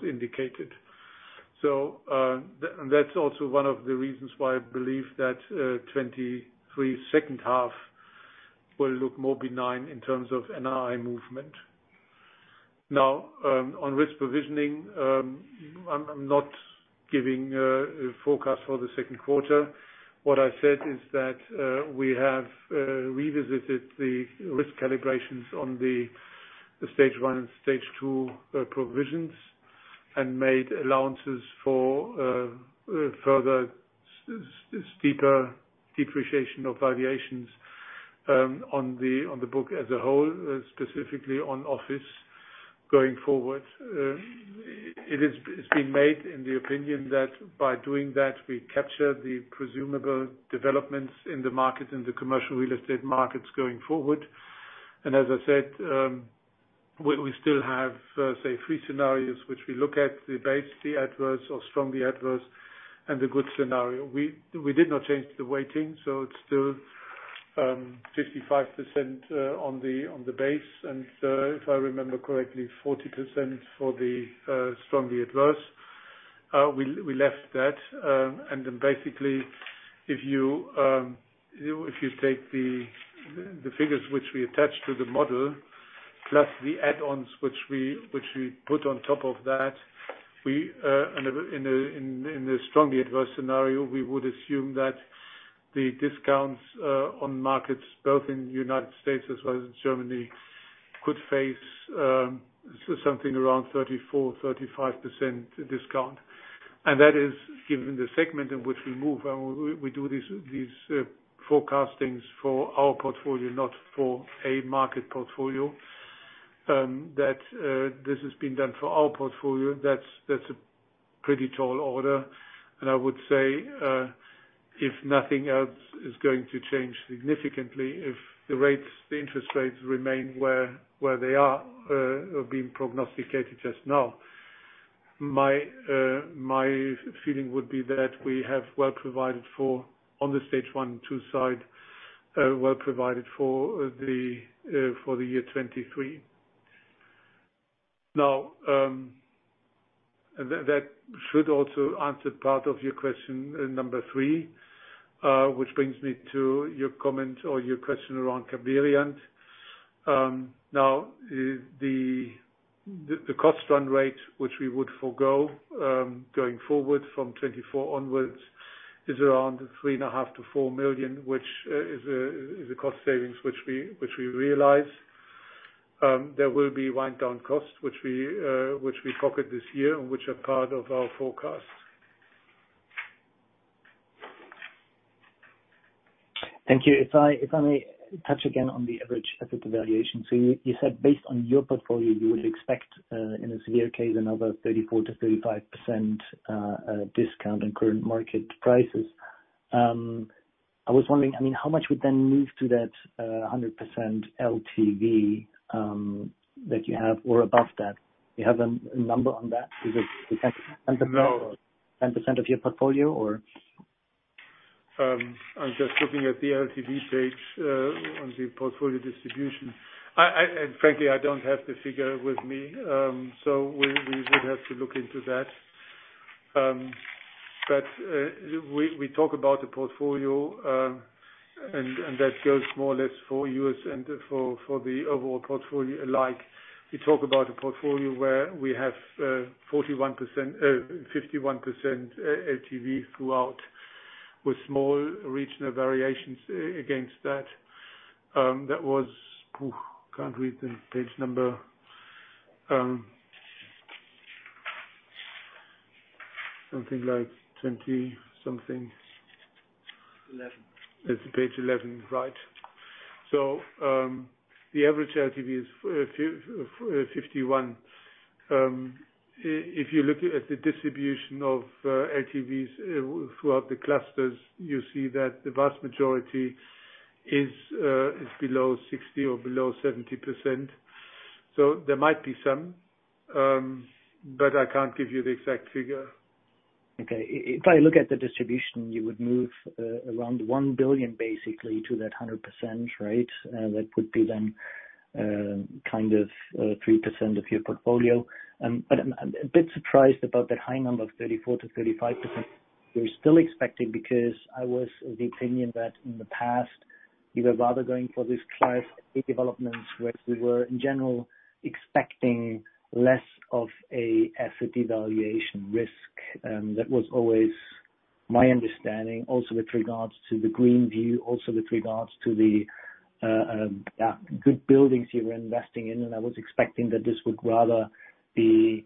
indicated. And that's also one of the reasons why I believe that 2023 second half will look more benign in terms of NII movement. Now, on risk provisioning, I'm not giving a forecast for the second quarter. What I said is that we have revisited the risk calibrations on the Stage 1 and Stage 2 provisions, and made allowances for further steeper depreciation of valuations on the book as a whole, specifically on office going forward. It's been made in the opinion that by doing that, we capture the presumable developments in the market, in the Commercial Real Estate markets going forward. As I said, we still have say three scenarios which we look at, the base, the adverse or strongly adverse, and the good scenario. We did not change the weighting, so it's still 55% on the base. If I remember correctly, 40% for the strongly adverse. We left that, and then basically if you take the figures which we attach to the model, plus the add-ons which we put on top of that, in a strongly adverse scenario, we would assume that the discounts on markets both in United States as well as in Germany could face something around 34%-35% discount. That is given the segment in which we move and we do these forecastings for our portfolio, not for a market portfolio. That, this has been done for our portfolio. That's, that's a pretty tall order. I would say, if nothing else is going to change significantly, if the rates, the interest rates remain where they are being prognosticated just now. My feeling would be that we have well provided for on the Stage 1 and 2 side, well provided for the year 2023. That should also answer part of your question in number three, which brings me to your comment or your question around CAPVERIANT. Now, the cost run rate which we would forgo, going forward from 2024 onwards, is around 3.5 million-4 million, which is a cost savings which we realize. There will be wind down costs which we pocket this year and which are part of our forecast. Thank you. If I may touch again on the average asset valuation. You said based on your portfolio, you would expect in a severe case another 34%-35% discount in current market prices. I was wondering, I mean, how much would then move to that 100% LTV that you have or above that? You have a number on that? Is it? <audio distortion> No. 10% of your portfolio or? I'm just looking at the LTV page on the portfolio distribution. Frankly, I don't have the figure with me. We would have to look into that. We talk about the portfolio, and that goes more or less for U.S. and for the overall portfolio alike. We talk about a portfolio where we have 41%, 51% LTV throughout, with small regional variations against that. That was. Can't read the page number. Something like 20 something. Eleven. It's page 11, right. The average LTV is 51. If you're looking at the distribution of LTVs throughout the clusters, you see that the vast majority is below 60% or below 70%. There might be some, but I can't give you the exact figure. Okay. If I look at the distribution, you would move, around 1 billion basically to that 100%, right? That would be then, kind of, 3% of your portfolio. I'm a bit surprised about that high number of 34%-35%. You're still expecting because I was of the opinion that in the past, you were rather going for these Class B developments, which we were in general expecting less of a asset devaluation risk. That was always my understanding also with regards to the green view, also with regards to the, yeah, good buildings you were investing in. I was expecting that this would rather be,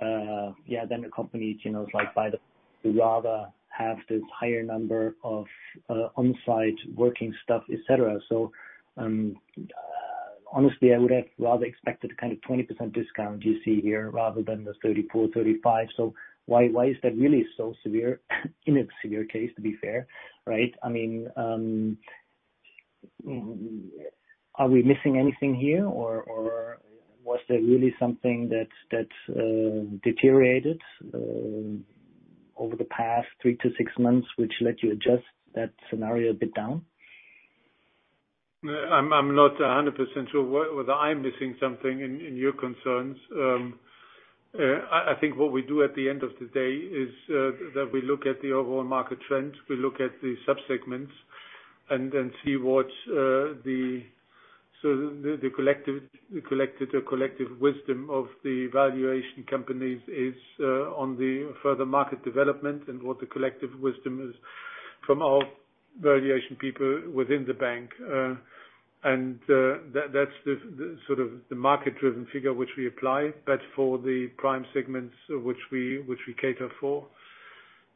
yeah, then a company, you know, like by the rather have this higher number of, on-site working staff, etcetera. Honestly, I would have rather expected kind of 20% discount you see here rather than the 34%, 35%. Why, why is that really so severe in a severe case, to be fair, right? I mean, are we missing anything here or was there really something that deteriorated over the past 3-6 months which let you adjust that scenario a bit down? I'm not 100% sure whether I'm missing something in your concerns. I think what we do at the end of the day is that we look at the overall market trends, we look at the sub-segments and then see what the collective, the collected or collective wisdom of the valuation companies is on the further market development and what the collective wisdom is from our valuation people within the bank. That's the sort of the market-driven figure which we apply, but for the prime segments which we cater for,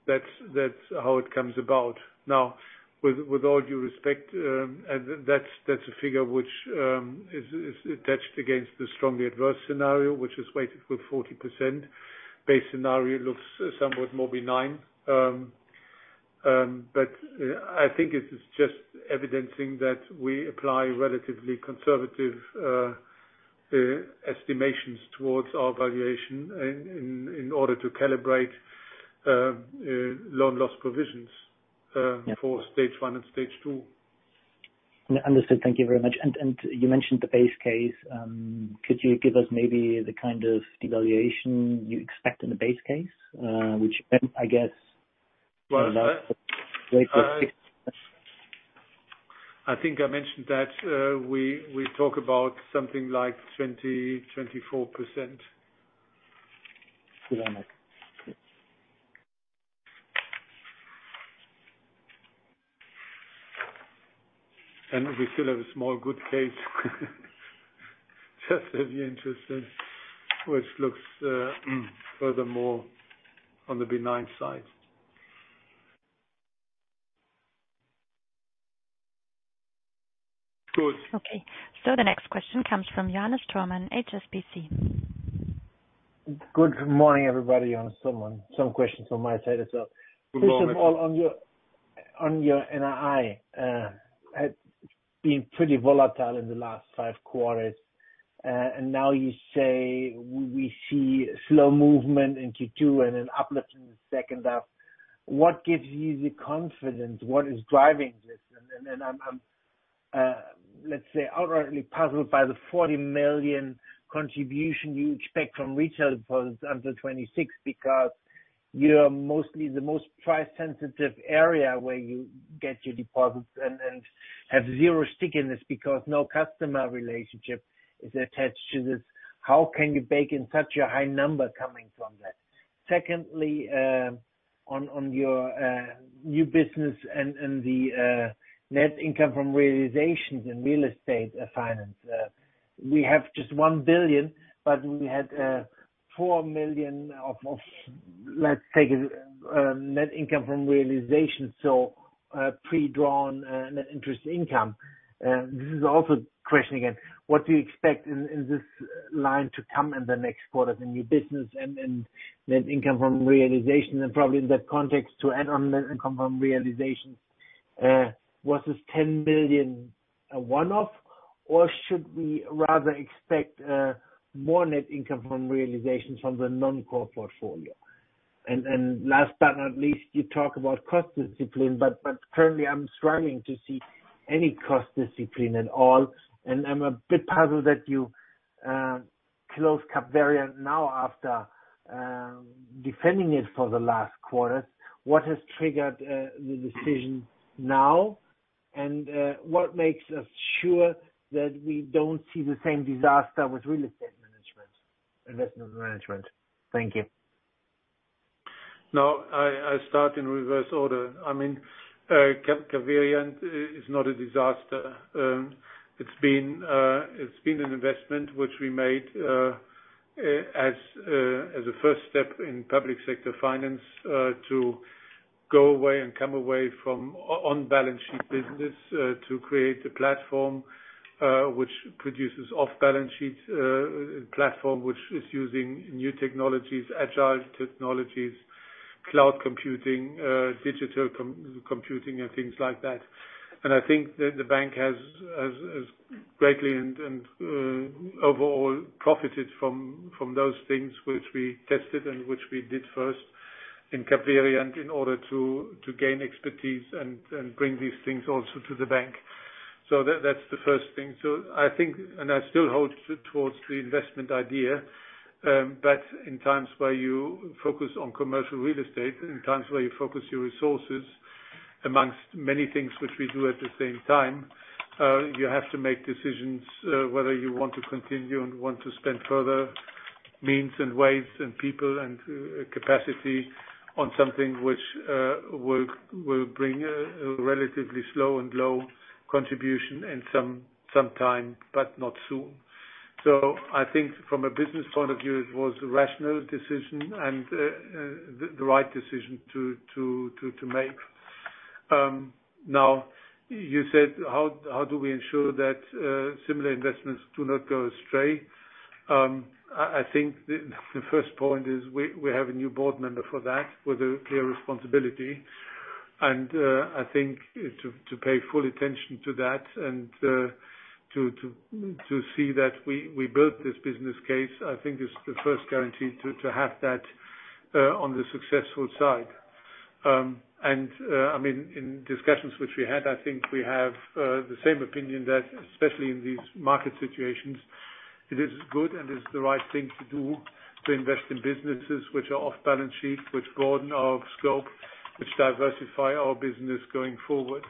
that's how it comes about. Now, with all due respect, that's a figure which is attached against the strongly adverse scenario, which is weighted with 40%. Base scenario looks somewhat more benign. I think it is just evidencing that we apply relatively conservative estimations towards our valuation in order to calibrate loan loss provisions for Stage 1 and Stage 2. Understood. Thank you very much. You mentioned the base case. Could you give us maybe the kind of devaluation you expect in the base case? Which then I guess Well, I think I mentioned that, we talk about something like 20, 24%. We still have a small good case just as you're interested, which looks, furthermore on the benign side. Good. Okay. The next question comes from Johannes Thormann, HSBC. Good morning, everybody. Johannes Thormann. Some questions on my side as well. Good morning. First of all, on your NII, had been pretty volatile in the last five quarters. Now you say we see slow movement in Q2 and an uplift in the second half. What gives you the confidence? What is driving this? I'm, let's say outrightly puzzled by the 40 million contribution you expect from retail deposits under 2026 because you are mostly the most price sensitive area where you get your deposits and have zero stickiness because no customer relationship is attached to this. How can you bake in such a high number coming from that? Secondly, on your new business and the net income from realizations in real estate finance, we have just 1 billion, but we had 4 million of let's take net income from realization, so pre-drawn net interest income. This is also a question again, what do you expect in this line to come in the next quarter, the new business and net income from realization? Probably in that context to net income from realization, was this 10 billion a one-off or should we rather expect more net income from realization from the non-core portfolio? Last but not least, you talk about cost discipline, but currently I'm struggling to see any cost discipline at all. I'm a bit puzzled that you closed CAPVERIANT now after defending it for the last quarter. What has triggered the decision now? What makes us sure that we don't see the same disaster with investment management? Thank you. Now, I start in reverse order. I mean, CAPVERIANT is not a disaster. It's been an investment which we made as a first step in public sector finance to go away and come away from on balance sheet business to create a platform which produces off balance sheet platform which is using new technologies, agile technologies, cloud computing, digital computing and things like that. I think that the bank has greatly and overall profited from those things which we tested and which we did first in CAPVERIANT in order to gain expertise and bring these things also to the bank. That's the first thing. I think, and I still hold towards the investment idea, but in times where you focus on Commercial Real Estate, in times where you focus your resources amongst many things which we do at the same time, you have to make decisions whether you want to continue and want to spend further means and ways and people and capacity on something which will bring a relatively slow and low contribution and sometime, but not soon. I think from a business point of view, it was a rational decision and the right decision to make. Now you said how do we ensure that similar investments do not go astray? I think the first point is we have a new board member for that with a clear responsibility. I think to pay full attention to that and to see that we built this business case, I think is the first guarantee to have that on the successful side. I mean, in discussions which we had, I think we have the same opinion that especially in these market situations, it is good and is the right thing to do to invest in businesses which are off-balance sheet, which broaden our scope, which diversify our business going forward.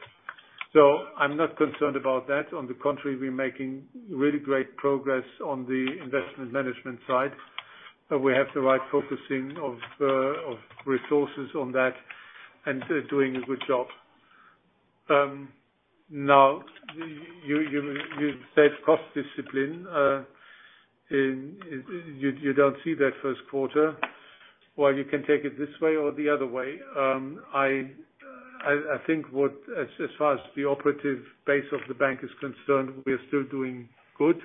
I'm not concerned about that. On the contrary, we're making really great progress on the investment management side, but we have the right focusing of resources on that and doing a good job. Now you said cost discipline and you don't see that first quarter. Well, you can take it this way or the other way. I think as far as the operative base of the bank is concerned, we are still doing good.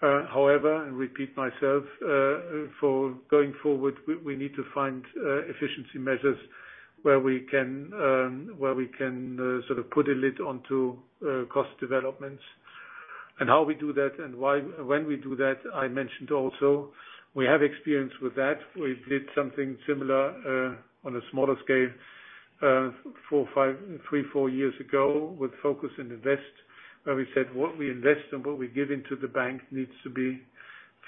However, and repeat myself, for going forward, we need to find efficiency measures where we can, where we can sort of put a lid onto cost developments and how we do that and when we do that, I mentioned also we have experience with that. We did something similar, on a smaller scale, three, four years ago with Focus & Invest, where we said what we invest and what we give into the bank needs to be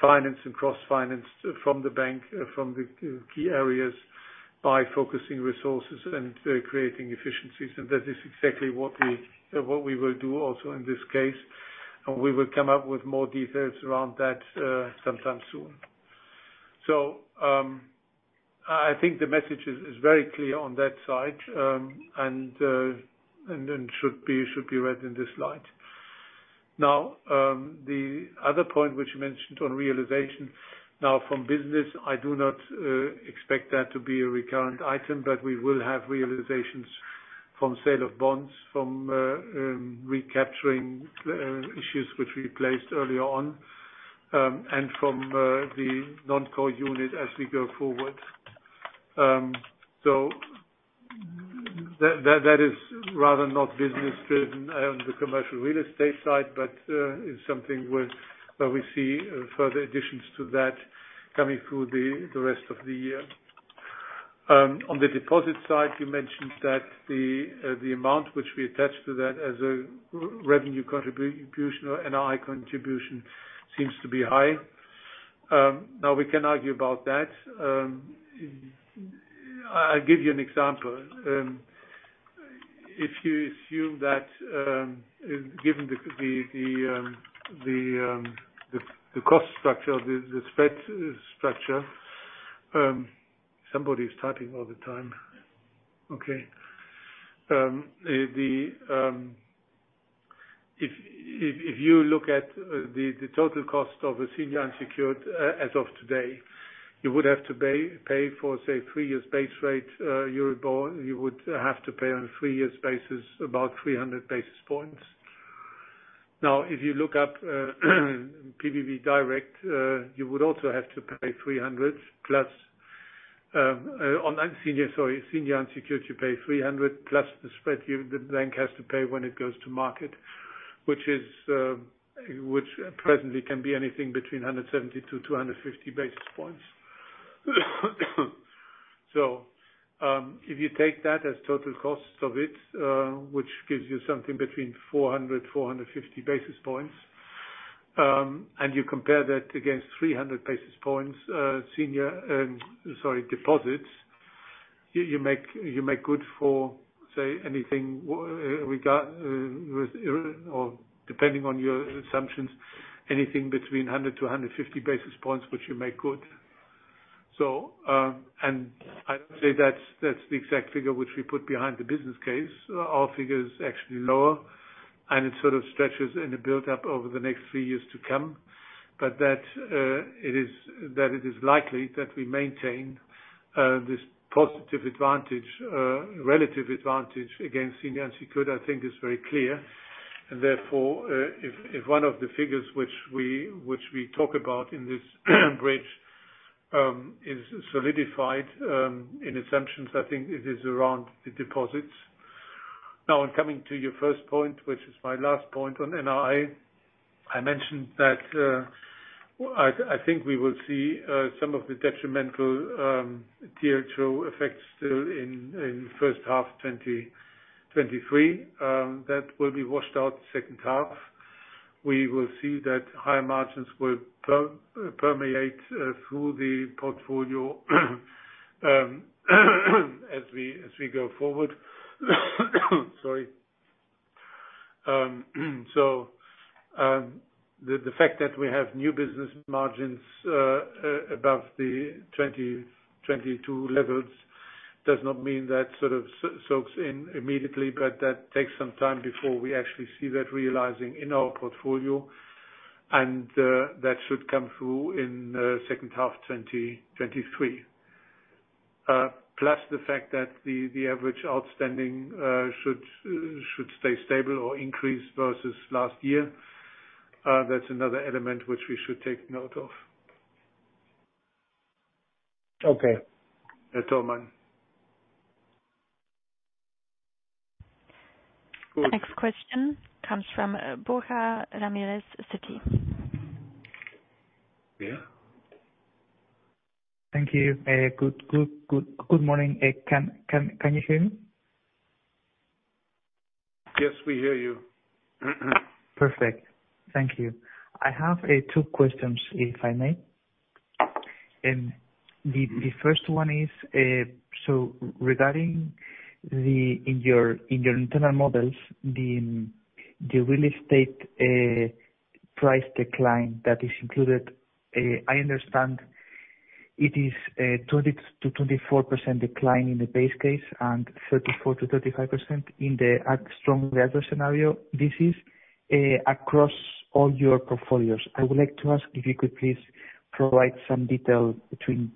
financed and cross-financed from the bank, from the key areas by focusing resources and creating efficiencies. That is exactly what we will do also in this case. We will come up with more details around that sometime soon. I think the message is very clear on that side, and should be read in this light. The other point which you mentioned on realization. From business, I do not expect that to be a recurrent item, but we will have realizations from sale of bonds, from recapturing issues which we placed earlier on, and from the non-core unit as we go forward. That is rather not business-driven on the Commercial Real Estate side, but is something where we see further additions to that coming through the rest of the year. On the deposit side, you mentioned that the amount which we attach to that as a revenue contribution or NII contribution seems to be high. Now we can argue about that. I'll give you an example. If you assume that, given the cost structure, the spread structure... Somebody's typing all the time. Okay. If you look at the total cost of a senior unsecured, as of today, you would have to pay for, say, three years base rate, Eurobond, you would have to pay on three years basis about 300 basis points. If you look up pbb direkt, you would also have to pay 300+ on senior unsecured, you pay 300+ the spread the bank has to pay when it goes to market, which presently can be anything between 170 to 250 basis points. If you take that as total costs of it, which gives you something between 400-450 basis points, and you compare that against 300 basis points, senior deposits, you make good for, say, anything regard, with or depending on your assumptions, anything between 100-150 basis points which you make good. And I'd say that's the exact figure which we put behind the business case. Our figure is actually lower and it sort of stretches in a build up over the next three years to come. That it is, that it is likely that we maintain this positive advantage, relative advantage against senior unsecured, I think is very clear. Therefore, if one of the figures which we, which we talk about in this bridge, is solidified, in assumptions, I think it is around the deposits. Now, on coming to your first point, which is my last point on NII, I mentioned that I think we will see some of the detrimental Tier 2 effects still in first half 2023, that will be washed out second half. We will see that higher margins will permeate through the portfolio as we, as we go forward. Sorry. The fact that we have new business margins above the 2022 levels does not mean that sort of soaks in immediately, but that takes some time before we actually see that realizing in our portfolio. That should come through in second half 2023. Plus the fact that the average outstanding should stay stable or increase versus last year. That's another element which we should take note of. Okay. That's all, man. The next question comes from, Borja Ramirez, Citi. Yeah. Thank you. good morning. can you hear me? Yes, we hear you. Perfect. Thank you. I have two questions, if I may. The first one is regarding the in your internal models, the real estate price decline that is included, I understand it is 20%-24% decline in the base case and 34%-35% in the strong real scenario. This is across all your portfolios. I would like to ask if you could please provide some detail between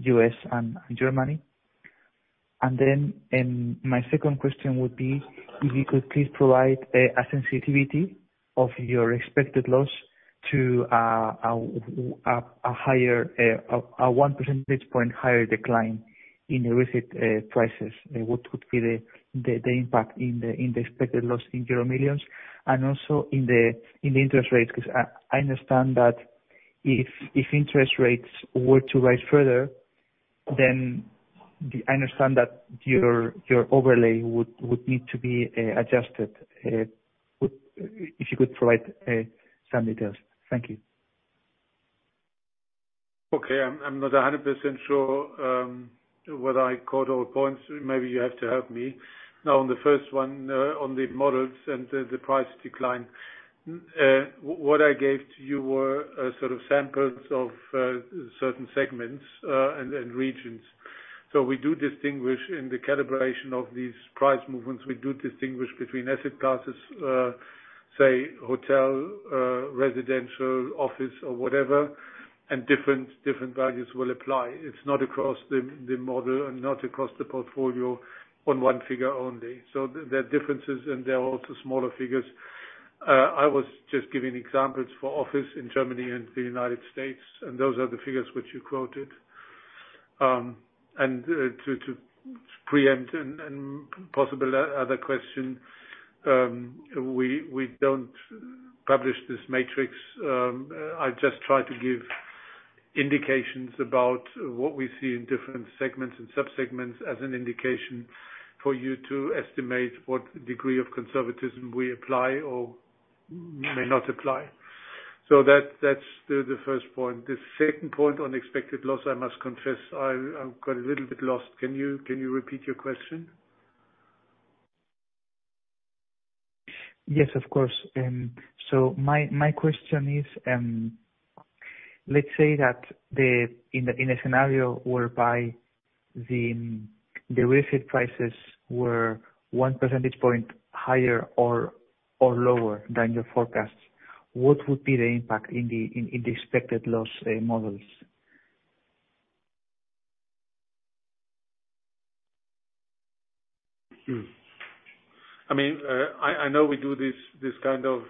U.S. and Germany. My second question would be if you could please provide a sensitivity of your expected loss to a higher 1 percentage point higher decline in the recent prices. What would be the impact in the expected loss in euro millions and also in the interest rates? I understand that if interest rates were to rise further, then I understand that your overlay would need to be adjusted. If you could provide some details. Thank you. Okay. I'm not 100% sure whether I caught all points. Maybe you have to help me. On the first one, on the models and the price decline, what I gave to you were sort of samples of certain segments and regions. We do distinguish in the calibration of these price movements. We do distinguish between asset classes, say hotel, residential, office or whatever, and different values will apply. It's not across the model and not across the portfolio on one figure only. There are differences, and there are also smaller figures. I was just giving examples for office in Germany and the United States, and those are the figures which you quoted. To preempt and possible other question, we don't publish this matrix. I just try to give indications about what we see in different segments and sub-segments as an indication for you to estimate what degree of conservatism we apply or may not apply. That's the first point. The second point on expected loss, I must confess, I got a little bit lost. Can you repeat your question? Yes, of course. My question is, let's say that in a scenario whereby the recent prices were 1 percentage point higher or lower than your forecast, what would be the impact in the expected loss models? I mean, I know we do this kind of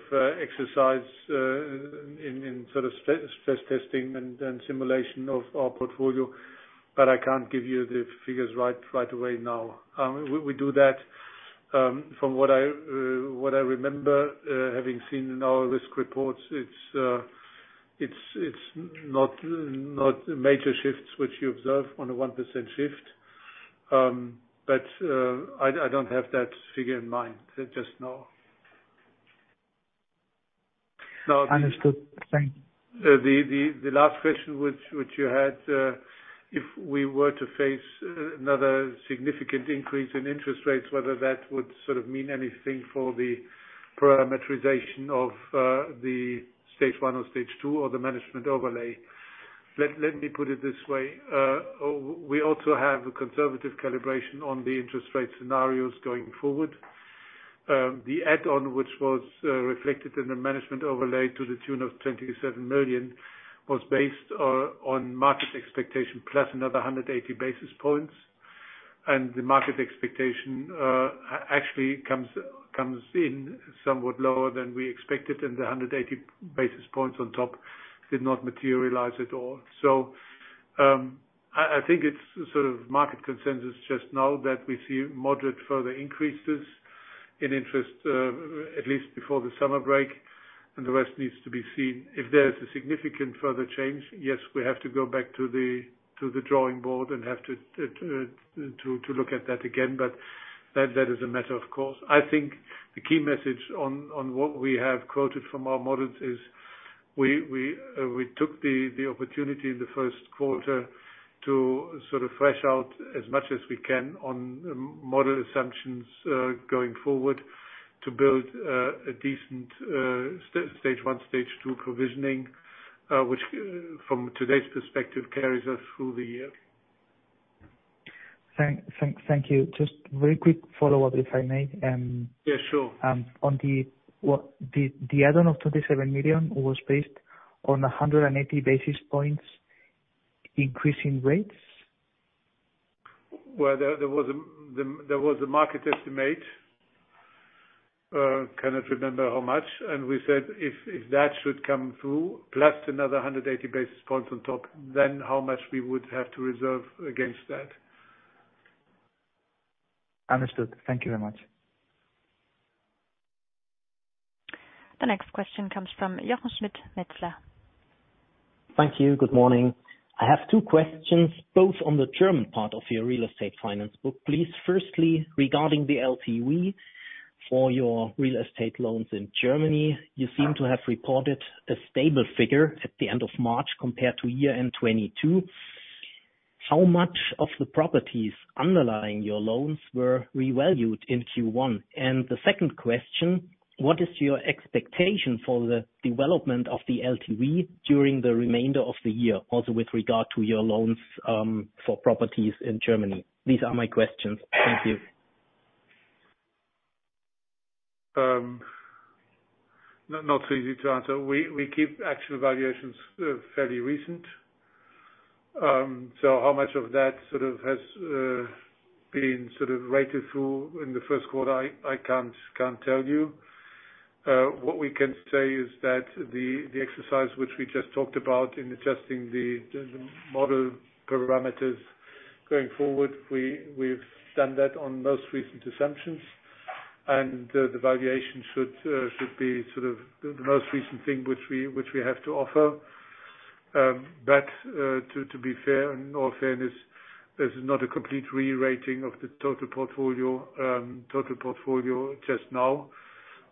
exercise in stress testing and simulation of our portfolio, but I can't give you the figures right away now. We do that. From what I remember having seen in our risk reports, it's not major shifts which you observe on a 1% shift. I don't have that figure in mind just now. Understood. Thank you. The last question which you had, if we were to face another significant increase in interest rates, whether that would sort of mean anything for the parameterization of the Stage 1 or Stage 2 or the management overlay. Let me put it this way. We also have a conservative calibration on the interest rate scenarios going forward. The add-on, which was reflected in the management overlay to the tune of 27 million, was based on market expectation plus another 180 basis points. And the market expectation actually comes in somewhat lower than we expected, and the 180 basis points on top did not materialize at all. I think it's sort of market consensus just now that we see moderate further increases in interest, at least before the summer break, and the rest needs to be seen. If there's a significant further change, yes, we have to go back to the drawing board and have to look at that again. That is a matter of course. I think the key message on what we have quoted from our models is we took the opportunity in the first quarter to sort of fresh out as much as we can on model assumptions going forward to build a decent Stage 1, Stage 2 provisioning, which from today's perspective, carries us through the year. Thank you. Just very quick follow-up, if I may. Yeah, sure. The add-on of 27 million was based on 180 basis points increase in rates? Well, there was a market estimate. Cannot remember how much. We said if that should come through plus another 180 basis points on top, then how much we would have to reserve against that. Understood. Thank you very much. The next question comes from Jochen Schmitt, Metzler. Thank you. Good morning. I have two questions, both on the German part of your real estate finance book, please. Firstly, regarding the LTV for your real estate loans in Germany. You seem to have reported a stable figure at the end of March compared to year-end 2022. How much of the properties underlying your loans were revalued in Q1? The second question, what is your expectation for the development of the LTV during the remainder of the year, also with regard to your loans for properties in Germany? These are my questions. Thank you. Not so easy to answer. We keep actual valuations fairly recent. How much of that sort of has been sort of rated through in the first quarter, I can't tell you. What we can say is that the exercise which we just talked about in adjusting the model parameters going forward, we've done that on most recent assumptions, and the valuation should be sort of the most recent thing which we have to offer. To be fair, in all fairness, this is not a complete re-rating of the total portfolio, total portfolio just now.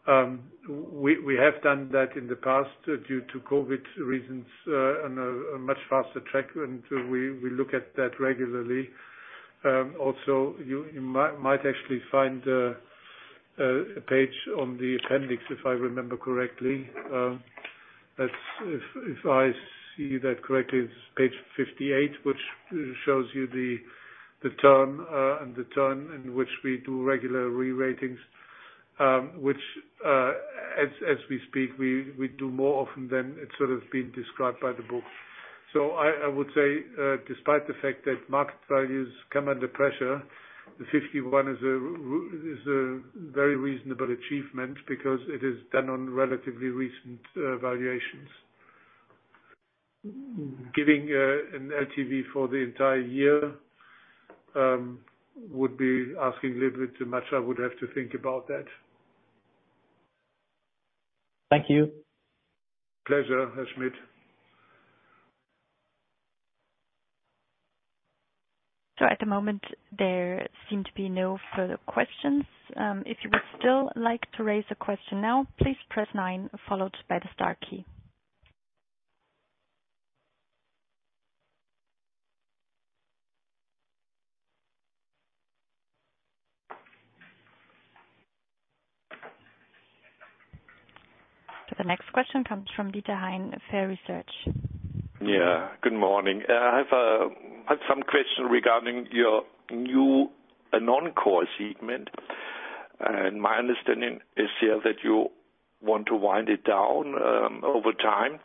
We have done that in the past due to COVID reasons on a much faster track, and we look at that regularly. Also, you might actually find a page on the appendix, if I remember correctly. That's if I see that correctly, it's page 58, which shows you the term and the term in which we do regular re-ratings, which as we speak, we do more often than it's sort of been described by the book. I would say, despite the fact that market values come under pressure, the 51 is a very reasonable achievement because it is done on relatively recent valuations. Giving an LTV for the entire year would be asking a little bit too much. I would have to think about that. Thank you. Pleasure, Schmitt. At the moment, there seem to be no further questions. If you would still like to raise a question now, please press nine followed by the star key. The next question comes from Dieter Hein, fairesearch. Yeah, good morning. I have had some question regarding your new non-core segment. My understanding is here that you want to wind it down over time.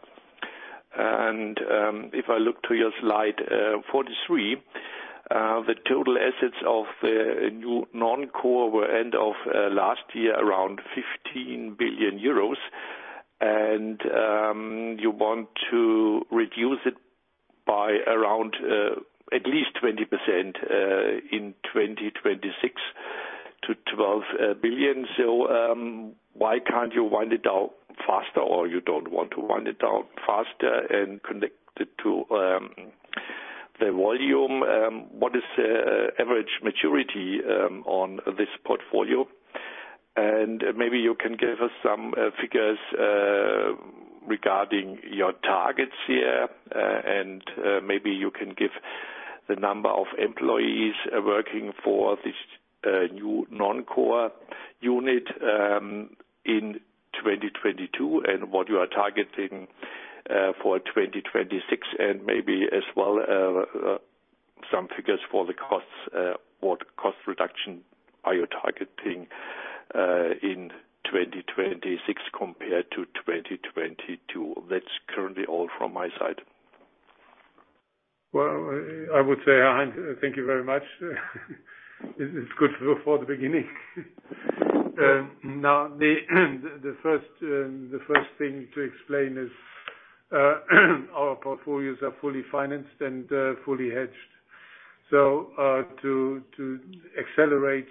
If I look to your slide, 43, the total assets of the new non-core were end of last year around 15 billion euros and, you want to reduce it by around at least 20% in 2026 to 12 billion. Why can't you wind it down faster, or you don't want to wind it down faster and connect it to the volume? What is average maturity on this portfolio? Maybe you can give us some figures regarding your targets here, and maybe you can give the number of employees working for this new non-core unit in 2022 and what you are targeting for 2026 and maybe as well some figures for the costs. What cost reduction are you targeting in 2026 compared to 2022? That's currently all from my side. Well, I would say, Hein, thank you very much. It's good for the beginning. Now the first thing to explain is our portfolios are fully financed and fully hedged. To accelerate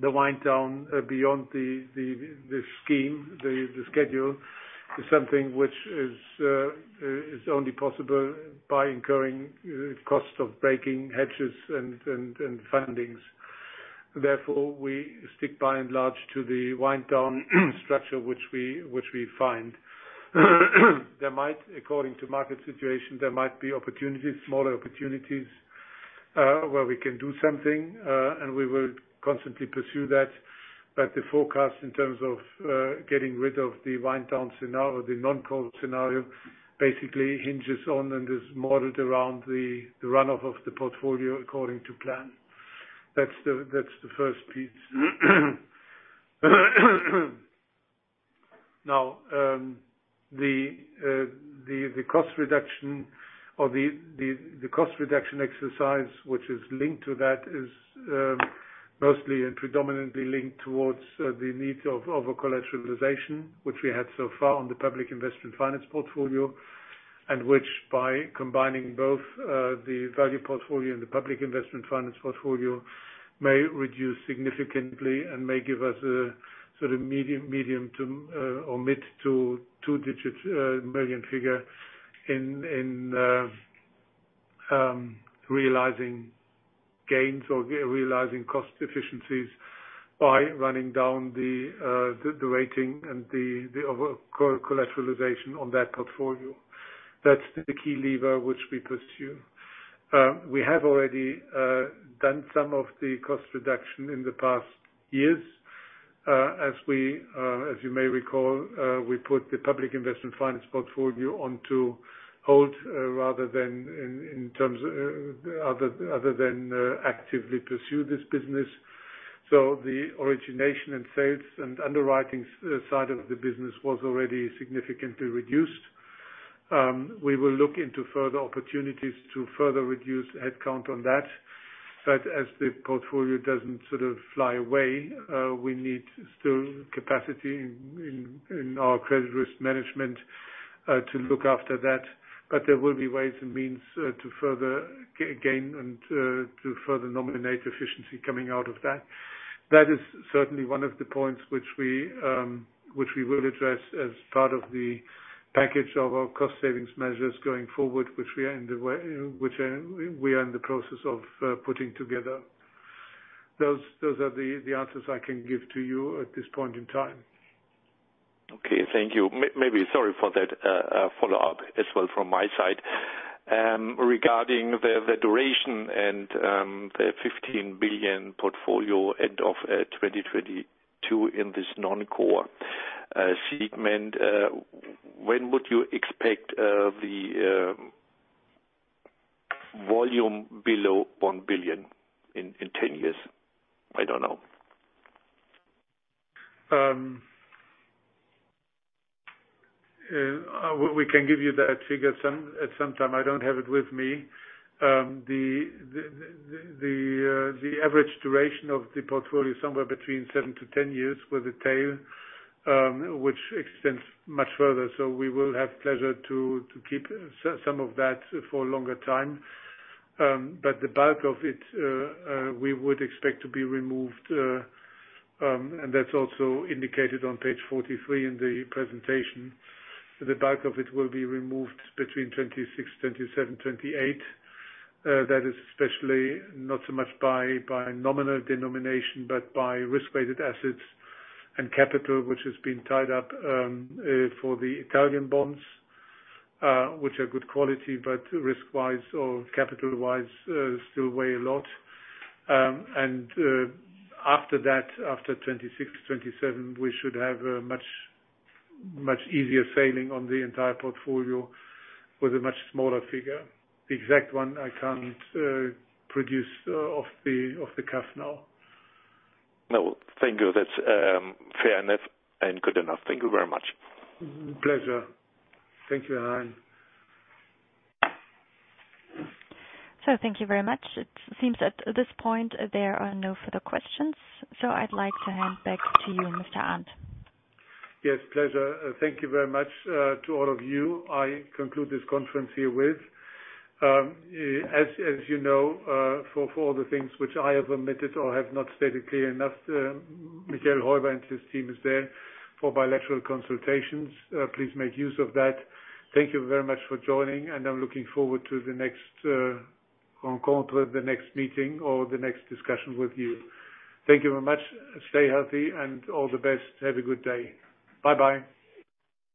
the wind down beyond the scheme, the schedule is something which is only possible by incurring costs of breaking hedges and fundings. Therefore, we stick by and large to the wind down structure, which we find. There might, according to market situation, there might be opportunities, smaller opportunities, where we can do something, and we will constantly pursue that. The forecast in terms of getting rid of the wind down scenario, the non-core scenario, basically hinges on and is modeled around the runoff of the portfolio according to plan. That's the first piece. The cost reduction or the cost reduction exercise which is linked to that is mostly and predominantly linked towards the needs of a collateralization which we had so far on the public investment finance portfolio. Which by combining both, the value portfolio and the public investment finance portfolio may reduce significantly and may give us a sort of medium to or mid to 2 digits million figure in realizing gains or realizing cost efficiencies by running down the rating and the over collateralization on that portfolio. That's the key lever which we pursue. ne some of the cost reduction in the past years, as you may recall, we put the public investment finance portfolio onto hold, rather than in terms other than actively pursue this business. So the origination and sales and underwriting side of the business was already significantly reduced. We will look into further opportunities to further reduce headcount on that. But as the portfolio doesn't sort of fly away, we need still capacity in our credit risk management to look after that. But there will be ways and means to further gain and to further nominate efficiency coming out of that That is certainly one of the points which we will address as part of the package of our cost savings measures going forward, which we are in the process of putting together. Those are the answers I can give to you at this point in time. Okay, thank you. Maybe, sorry for that, follow-up as well from my side. Regarding the duration and the 15 billion portfolio end of 2022 in this non-core segment, when would you expect the volume below 1 billion in 10 years? I don't know. We can give you that figure some, at some time. I don't have it with me. The average duration of the portfolio is somewhere between 7-10 years with a tail, which extends much further. We will have pleasure to keep some of that for longer time. The bulk of it we would expect to be removed, and that's also indicated on page 43 in the presentation. The bulk of it will be removed between 2026, 2027, 2028. That is especially not so much by nominal denomination, but by risk-weighted assets and capital, which has been tied up for the Italian bonds, which are good quality, but risk wise or capital wise still weigh a lot. After that, after 2026, 2027, we should have a much, much easier sailing on the entire portfolio with a much smaller figure. The exact one I can't produce off the cuff now. No, thank you. That's fair enough and good enough. Thank you very much. Pleasure. Thank you, Hein. Thank you very much. It seems at this point there are no further questions, so I'd like to hand back to you, Mr. Arndt. Yes, pleasure. Thank you very much to all of you. I conclude this conference herewith. As you know, for all the things which I have omitted or have not stated clear enough, Michael Heuber and his team is there for bilateral consultations. Please make use of that. Thank you very much for joining, and I'm looking forward to the next encounter, the next meeting or the next discussion with you. Thank you very much. Stay healthy and all the best. Have a good day. Bye-bye.